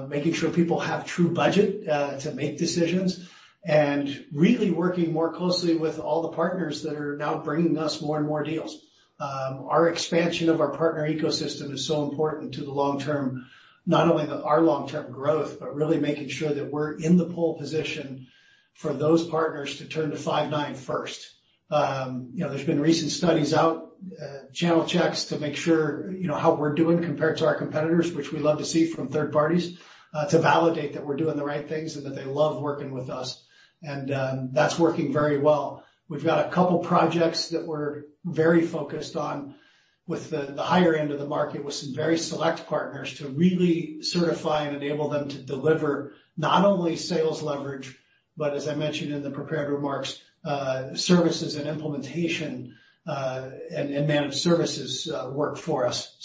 making sure people have true budget to make decisions, and really working more closely with all the partners that are now bringing us more and more deals. Our expansion of our partner ecosystem is so important to the long-term. Not only our long-term growth, but really making sure that we're in the pole position for those partners to turn to Five9 first. You know, there's been recent studies out, channel checks to make sure, you know, how we're doing compared to our competitors, which we love to see from third parties, to validate that we're doing the right things and that they love working with us. That's working very well. We've got a couple projects that we're very focused on with the higher end of the market, with some very select partners to really certify and enable them to deliver not only sales leverage, but as I mentioned in the prepared remarks, services and implementation, and managed services work for us.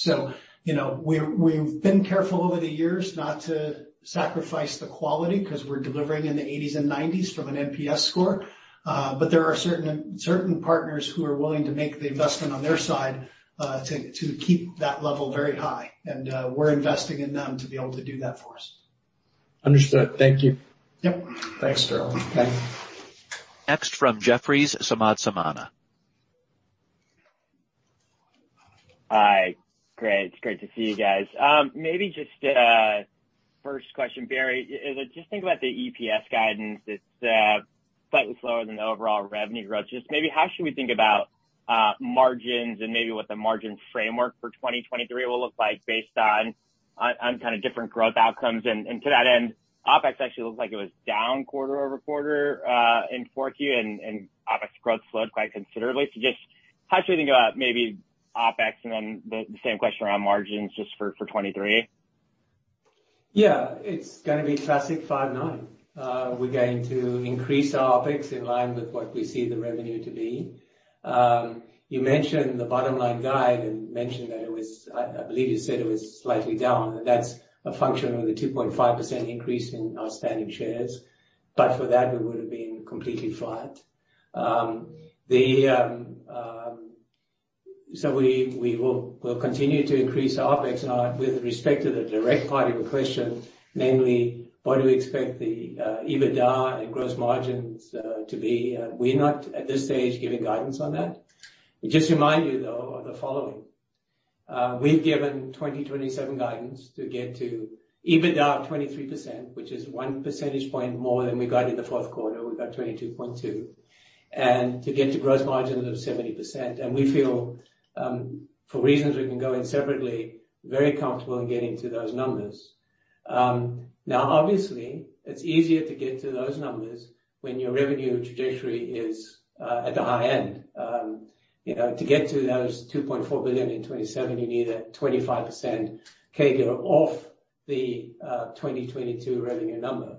You know, we've been careful over the years not to sacrifice the quality 'cause we're delivering in the 80s and 90s from an NPS score. There are certain partners who are willing to make the investment on their side to keep that level very high, and we're investing in them to be able to do that for us. Understood. Thank you. Yep. Thanks, Sterling. Okay. Next from Jefferies, Samad Samana. Hi. Great. It's great to see you guys. Maybe just First question, Barry, as I just think about the EPS guidance, it's slightly slower than the overall revenue growth. Just maybe how should we think about margins and maybe what the margin framework for 2023 will look like based on kind of different growth outcomes? To that end, OpEx actually looks like it was down quarter-over-quarter in 4Q, and OpEx growth slowed quite considerably. Just how should we think about maybe OpEx and then the same question around margins just for 23? Yeah. It's gonna be classic Five9. We're going to increase our OpEx in line with what we see the revenue to be. You mentioned the bottom line guide and mentioned that it was. I believe you said it was slightly down. That's a function of the 2.5% increase in outstanding shares. For that, we would've been completely flat. We will, we'll continue to increase our OpEx. Now with respect to the direct part of your question, namely what do we expect the EBITDA and gross margins to be, we're not at this stage giving guidance on that. Just remind you though of the following. We've given 2027 guidance to get to EBITDA of 23%, which is 1 percentage point more than we got in the fourth quarter. We've got 22.2. To get to gross margin of 70%. We feel, for reasons we can go in separately, very comfortable in getting to those numbers. Obviously it's easier to get to those numbers when your revenue trajectory is at the high end. you know, to get to those $2.4 billion in 2027, you need a 25% CAGR off the 2022 revenue number.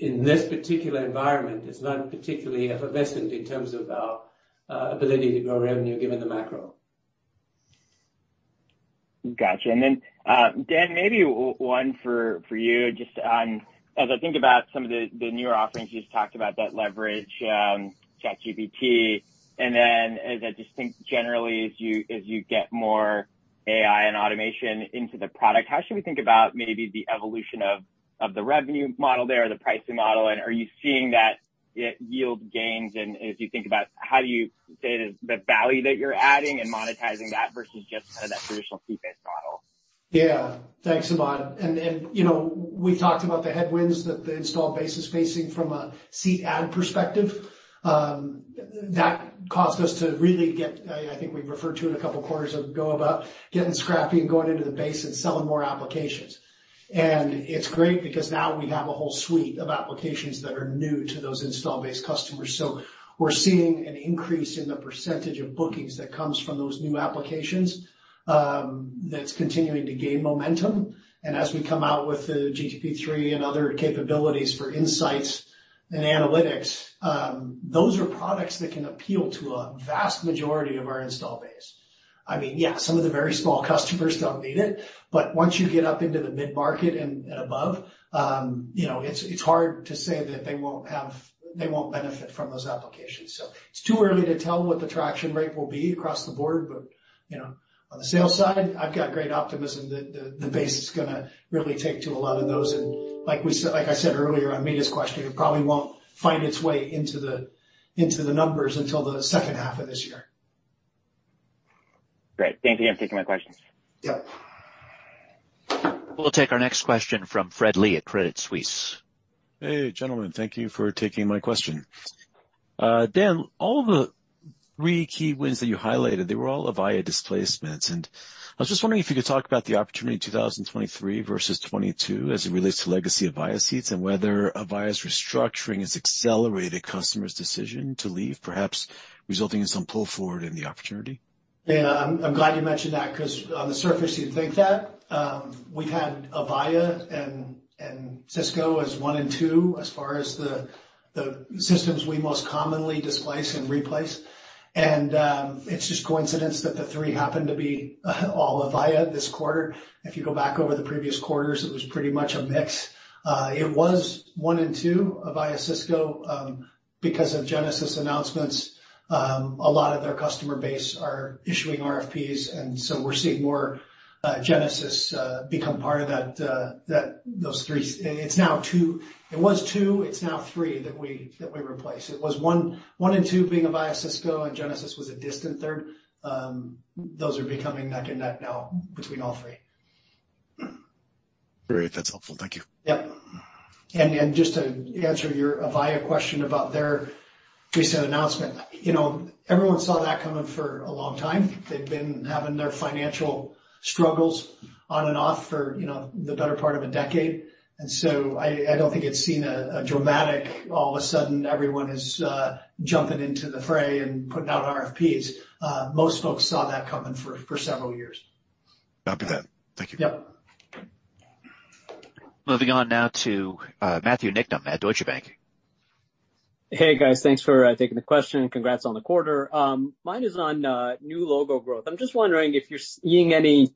In this particular environment, it's not particularly effervescent in terms of our ability to grow revenue given the macro. Gotcha. Dan, maybe one for you just on as I think about some of the newer offerings, you just talked about that leverage ChatGPT. As I just think generally as you get more AI and automation into the product, how should we think about maybe the evolution of the revenue model there or the pricing model? Are you seeing that it yield gains in as you think about how do you say the value that you're adding and monetizing that versus just kind of that traditional fee-based model? Yeah. Thanks, Samad. You know, we talked about the headwinds that the installed base is facing from a seat add perspective. That caused us to really get, I think we've referred to in a couple quarters ago about getting scrappy and going into the base and selling more applications. It's great because now we have a whole suite of applications that are new to those install-based customers. We're seeing an increase in the percentage of bookings that comes from those new applications that's continuing to gain momentum. As we come out with the GPT-3 and other capabilities for insights and analytics, those are products that can appeal to a vast majority of our install base. I mean, yeah, some of the very small customers don't need it, but once you get up into the mid-market and above, you know, it's hard to say that they won't benefit from those applications. It's too early to tell what the traction rate will be across the board, but, you know, on the sales side, I've got great optimism that the base is gonna really take to a lot of those. Like I said earlier, on Meta's question, it probably won't find its way into the, into the numbers until the second half of this year. Great. Thank you. I'm taking my questions. Yep. We'll take our next question from Fred Lee at Credit Suisse. Hey, gentlemen. Thank you for taking my question. Dan, all the three key wins that you highlighted, they were all Avaya displacements. I was just wondering if you could talk about the opportunity in 2023 versus 2022 as it relates to legacy Avaya seats and whether Avaya's restructuring has accelerated customers' decision to leave, perhaps resulting in some pull forward in the opportunity? Yeah. I'm glad you mentioned that, 'cause on the surface, you'd think that, we've had Avaya and Cisco as one and two as far as the systems we most commonly displace and replace. It's just coincidence that the three happen to be all Avaya this quarter. If you go back over the previous quarters, it was pretty much a mix. It was one and two, Avaya-Cisco, because of Genesys announcements. A lot of their customer base are issuing RFPs, and we're seeing more Genesys become part of those three. It's now two. It was two, it's now three that we replaced. It was one and two being Avaya-Cisco, and Genesys was a distant third. Those are becoming neck and neck now between all three. Great. That's helpful. Thank you. Yep. Just to answer your Avaya question about their recent announcement. You know, everyone saw that coming for a long time. They've been having their financial struggles on and off for, you know, the better part of a decade. I don't think it's seen a dramatic all of a sudden everyone is jumping into the fray and putting out RFPs. Most folks saw that coming for several years. Copy that. Thank you. Yep. Moving on now to Matthew Niknam at Deutsche Bank. Hey, guys. Thanks for taking the question, and congrats on the quarter. Mine is on new logo growth. I'm just wondering if you're seeing any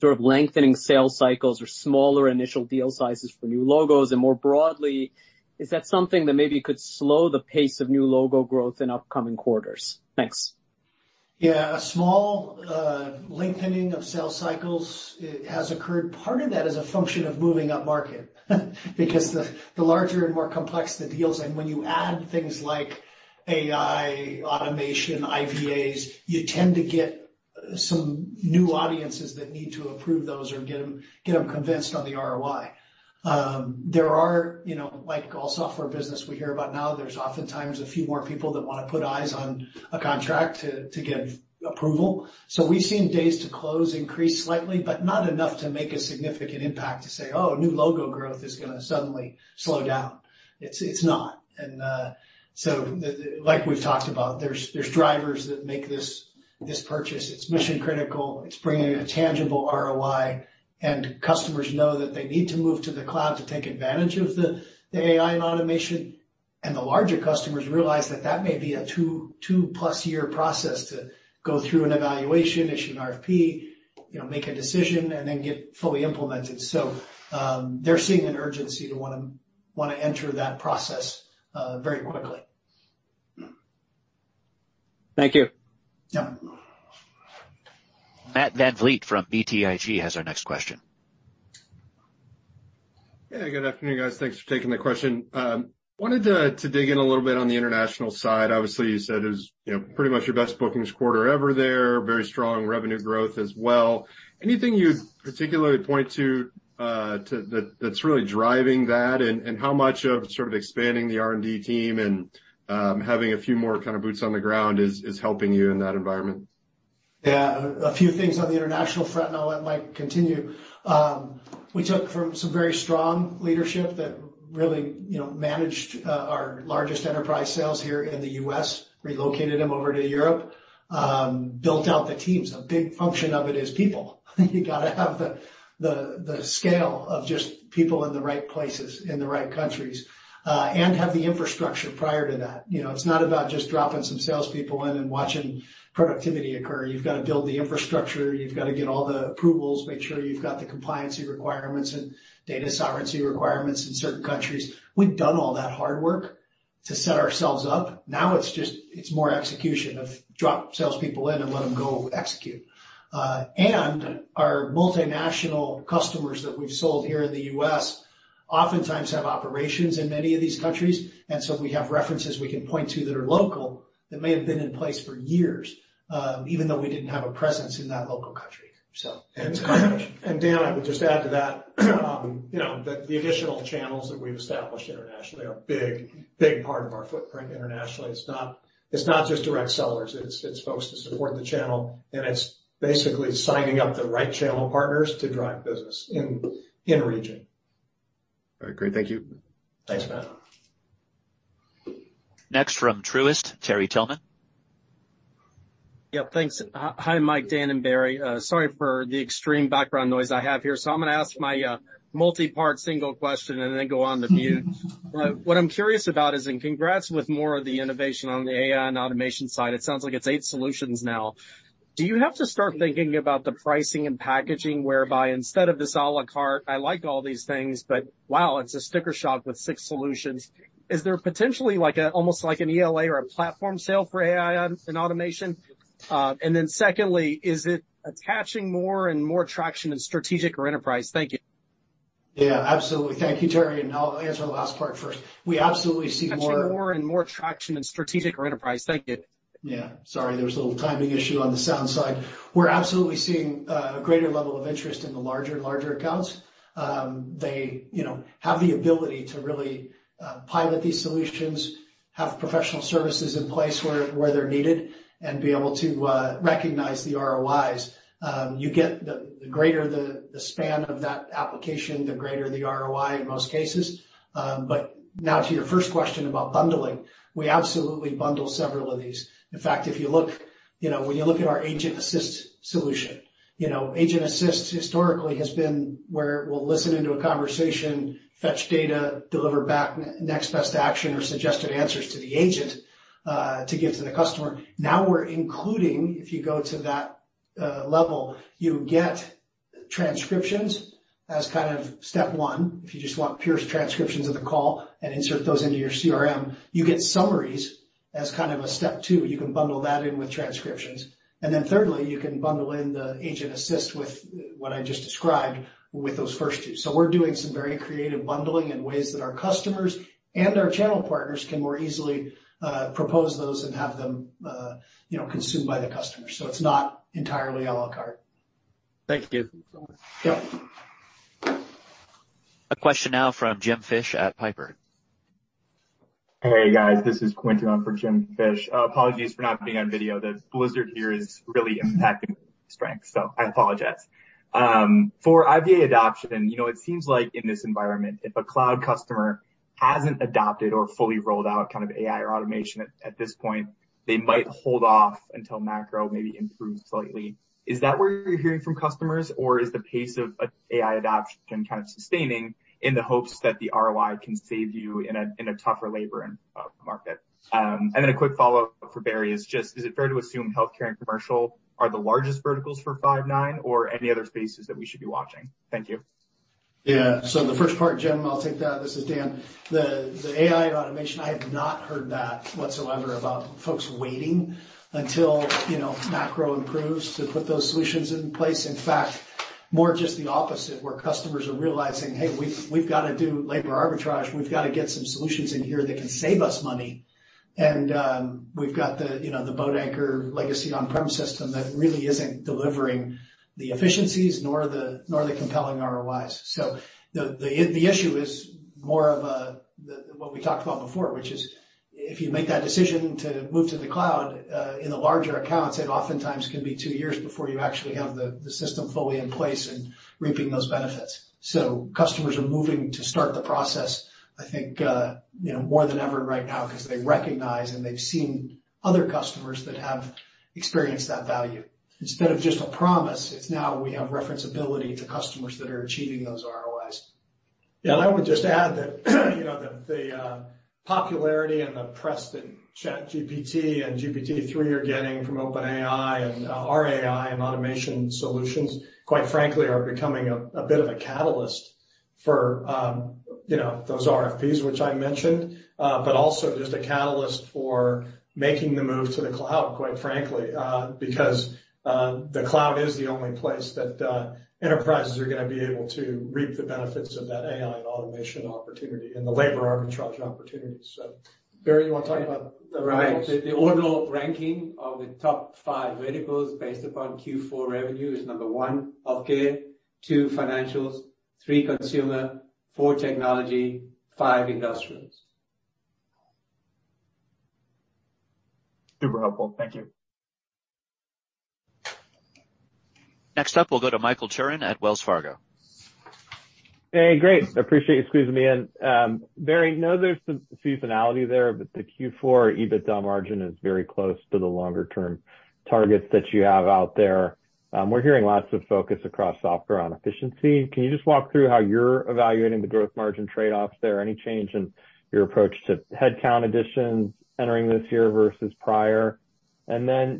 sort of lengthening sales cycles or smaller initial deal sizes for new logos. More broadly, is that something that maybe could slow the pace of new logo growth in upcoming quarters? Thanks. Yeah. A small lengthening of sales cycles has occurred. Part of that is a function of moving up market because the larger and more complex the deals, and when you add things like AI, automation, IVAs, you tend to get some new audiences that need to approve those or get 'em convinced on the ROI. There are, you know, like all software business we hear about now, there's oftentimes a few more people that wanna put eyes on a contract to give approval. We've seen days to close increase slightly, but not enough to make a significant impact to say, "Oh, new logo growth is gonna suddenly slow down." It's not. The like we've talked about, there's drivers that make this purchase. It's mission critical. It's bringing a tangible ROI, and customers know that they need to move to the cloud to take advantage of the AI and automation. The larger customers realize that that may be a two-plus year process to go through an evaluation, issue an RFP, you know, make a decision, and then get fully implemented. They're seeing an urgency to wanna enter that process very quickly. Thank you. Yeah. Matt VanVliet from BTIG has our next question. Hey, good afternoon, guys. Thanks for taking the question. wanted to dig in a little bit on the international side. Obviously, you said it was, you know, pretty much your best bookings quarter ever there. Very strong revenue growth as well. Anything you'd particularly point to, that's really driving that, and how much of sort of expanding the R&D team and having a few more kind of boots on the ground is helping you in that environment? A few things on the international front, I'll let Mike continue. We took from some very strong leadership that really, you know, managed our largest enterprise sales here in the U.S., relocated them over to Europe, built out the teams. A big function of it is people. You gotta have the scale of just people in the right places, in the right countries, and have the infrastructure prior to that. You know, it's not about just dropping some salespeople in and watching productivity occur. You've got to build the infrastructure. You've got to get all the approvals, make sure you've got the compliancy requirements and data sovereignty requirements in certain countries. We've done all that hard work to set ourselves up. Now it's just, it's more execution of drop salespeople in and let 'em go execute. Our multinational customers that we've sold here in the U.S. oftentimes have operations in many of these countries. We have references we can point to that are local that may have been in place for years, even though we didn't have a presence in that local country. Dan, I would just add to that, you know, the additional channels that we've established internationally are a big part of our footprint internationally. It's not just direct sellers, it's folks to support the channel, and it's basically signing up the right channel partners to drive business in region. All right. Great. Thank you. Thanks, Matt. Next from Truist, Terry Tillman. Yeah. Thanks. Hi, Mike, Dan, and Barry. Sorry for the extreme background noise I have here. I'm gonna ask my multi-part single question and then go on to mute. What I'm curious about is, and congrats with more of the innovation on the AI and automation side. It sounds like it's eight solutions now. Do you have to start thinking about the pricing and packaging whereby instead of this à la carte, I like all these things, but wow, it's a sticker shock with six solutions. Is there potentially like almost like an ELA or a platform sale for AI and automation? Then secondly, is it attaching more and more traction in strategic or enterprise? Thank you. Yeah, absolutely. Thank you, Terry. I'll answer the last part first. We absolutely see more- Attaching more and more traction in strategic or enterprise. Thank you. Yeah. Sorry, there was a little timing issue on the sound side. We're absolutely seeing a greater level of interest in the larger and larger accounts. They, you know, have the ability to really pilot these solutions, have professional services in place where they're needed, and be able to recognize the ROIs. You get the greater the span of that application, the greater the ROI in most cases. Now to your first question about bundling, we absolutely bundle several of these. You know, when you look at our Agent Assist solution, you know, Agent Assist historically has been where we'll listen into a conversation, fetch data, deliver back next best action or suggested answers to the agent to give to the customer. Now we're including, if you go to that level, you get transcriptions as kind of step one, if you just want pure transcriptions of the call and insert those into your CRM. You get summaries as kind of a step two. You can bundle that in with transcriptions. Thirdly, you can bundle in the Agent Assist with what I just described with those first two. We're doing some very creative bundling in ways that our customers and our channel partners can more easily, propose those and have them, you know, consumed by the customer. It's not entirely à la carte. Thank you. Yep. A question now from Jim Fish at Piper. Hey, guys. This is Quentin on for Jim Fish. Apologies for not being on video. The blizzard here is really impacting strength, so I apologize. For IVA adoption, you know, it seems like in this environment, if a cloud customer hasn't adopted or fully rolled out kind of AI or automation at this point, they might hold off until macro maybe improves slightly. Is that what you're hearing from customers? Or is the pace of AI adoption kind of sustaining in the hopes that the ROI can save you in a, in a tougher labor and, market? Then a quick follow-up for Barry is just, is it fair to assume healthcare and commercial are the largest verticals for Five9 or any other spaces that we should be watching? Thank you. Yeah. The first part, Jim, I'll take that. This is Dan. The AI and automation, I have not heard that whatsoever about folks waiting until, you know, macro improves to put those solutions in place. In fact, more just the opposite, where customers are realizing, "Hey, we've got to do labor arbitrage. We've got to get some solutions in here that can save us money." We've got the, you know, the boat anchor legacy on-prem system that really isn't delivering the efficiencies nor the compelling ROIs. The issue is more of what we talked about before, which is if you make that decision to move to the cloud, in the larger accounts, it oftentimes can be two years before you actually have the system fully in place and reaping those benefits. Customers are moving to start the process, I think, you know, more than ever right now because they recognize and they've seen other customers that have experienced that value. Instead of just a promise, it's now we have referenceability to customers that are achieving those ROIs. Yeah. I would just add that, you know, the popularity and the press that ChatGPT and GPT-3 are getting from OpenAI and our AI and automation solutions, quite frankly, are becoming a bit of a catalyst for, you know, those RFPs which I mentioned. Also just a catalyst for making the move to the cloud, quite frankly. The cloud is the only place that enterprises are gonna be able to reap the benefits of that AI and automation opportunity and the labor arbitrage opportunities. Barry, you wanna talk about. Right. The ordinal ranking of the top five verticals based upon Q4 revenue is, one, healthcare, two, financials, three, consumer, four, technology, five, industrials. Super helpful. Thank you. Next up, we'll go to Michael Turrin at Wells Fargo. Hey, great. Appreciate you squeezing me in. Barry, know there's some seasonality there, but the Q4 EBITDA margin is very close to the longer-term targets that you have out there. We're hearing lots of focus across software on efficiency. Can you just walk through how you're evaluating the growth margin trade-offs there? Any change in your approach to headcount additions entering this year versus prior?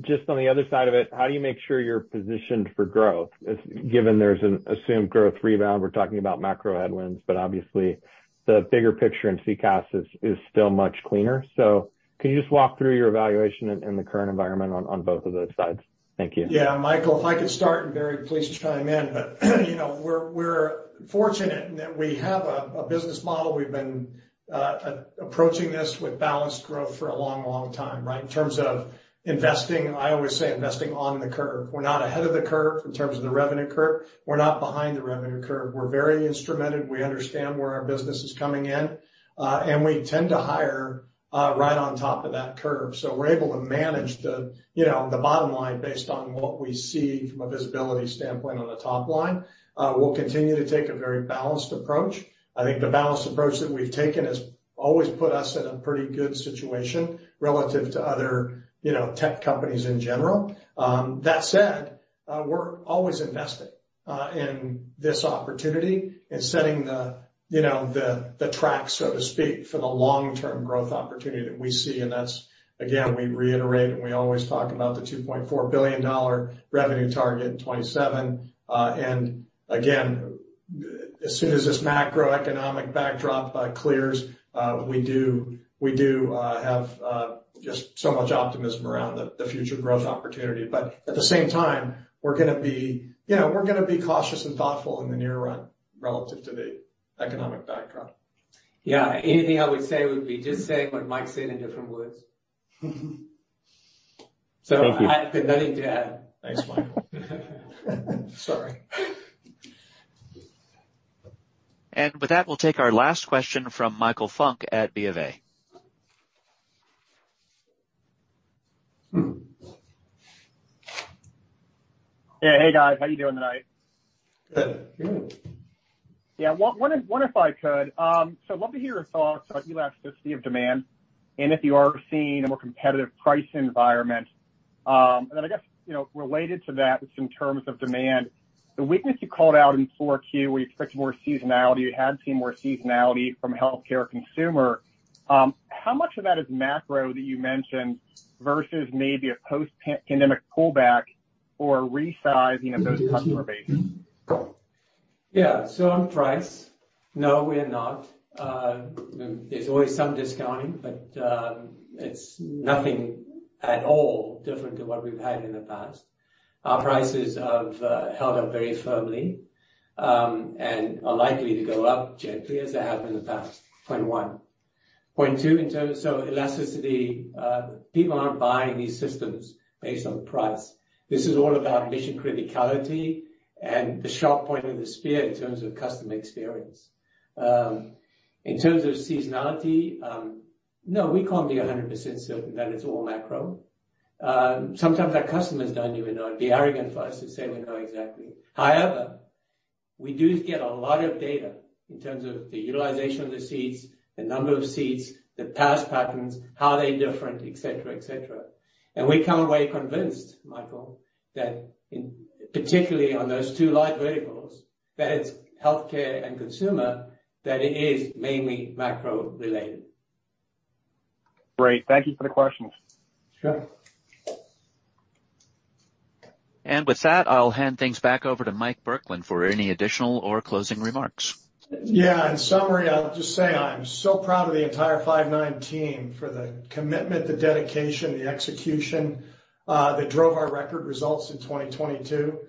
Just on the other side of it, how do you make sure you're positioned for growth as... Given there's an assumed growth rebound, we're talking about macro headwinds, but obviously the bigger picture in CCaaS is still much cleaner. Can you just walk through your evaluation in the current environment on both of those sides? Thank you. Yeah. Michael, if I could start. Barry, please chime in. You know, we're fortunate in that we have a business model. We've been approaching this with balanced growth for a long, long time, right? In terms of investing, I always say investing on the curve. We're not ahead of the curve in terms of the revenue curve. We're not behind the revenue curve. We're very instrumented. We understand where our business is coming in. We tend to hire right on top of that curve. We're able to manage the, you know, the bottom line based on what we see from a visibility standpoint on the top line. We'll continue to take a very balanced approach. I think the balanced approach that we've taken has. Always put us in a pretty good situation relative to other, you know, tech companies in general. That said, we're always investing in this opportunity, in setting the, you know, the track, so to speak, for the long-term growth opportunity that we see. That's again, we reiterate, and we always talk about the $2.4 billion revenue target in 2027. Again, as soon as this macroeconomic backdrop clears, we do have just so much optimism around the future growth opportunity. At the same time, we're gonna be, you know, we're gonna be cautious and thoughtful in the near run relative to the economic backdrop. Yeah. Anything I would say would be just saying what Mike said in different words. Thank you. I have got nothing to add. Thanks, Mike. Sorry. With that, we'll take our last question from Michael Funk at BofA. Hmm. Yeah. Hey, guys. How you doing tonight? Good. Good. Yeah. One if I could, I'd love to hear your thoughts on elasticity of demand and if you are seeing a more competitive price environment. Then I guess, you know, related to that is in terms of demand, the weakness you called out in 4Q, where you expect more seasonality, you had seen more seasonality from healthcare consumer, how much of that is macro that you mentioned versus maybe a post-pandemic pullback or a resizing of those customer bases? On price, no, we're not. There's always some discounting, but it's nothing at all different to what we've had in the past. Our prices have held up very firmly, and are likely to go up gently as they have in the past, point one. Point two. In terms of elasticity, people aren't buying these systems based on price. This is all about mission criticality and the sharp point of the spear in terms of customer experience. In terms of seasonality, no, we can't be 100% certain that it's all macro. Sometimes our customers don't even know. It'd be arrogant for us to say we know exactly. We do get a lot of data in terms of the utilization of the seats, the number of seats, the past patterns, how they're different, et cetera, et cetera. We come away convinced, Michael, that in, particularly on those two live variables, that it's healthcare and consumer, that it is mainly macro-related. Great. Thank you for the questions. Sure. With that, I'll hand things back over to Mike Burkland for any additional or closing remarks. In summary, I'll just say I'm so proud of the entire Five9 team for the commitment, the dedication, the execution, that drove our record results in 2022.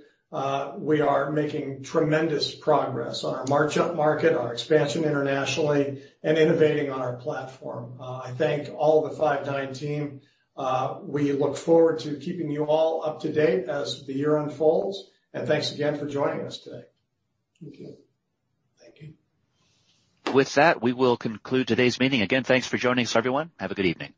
We are making tremendous progress on our march-up market, our expansion internationally, and innovating on our platform. I thank all the Five9 team. We look forward to keeping you all up to date as the year unfolds. Thanks again for joining us today. Thank you. Thank you. With that, we will conclude today's meeting. Again, thanks for joining us, everyone. Have a good evening.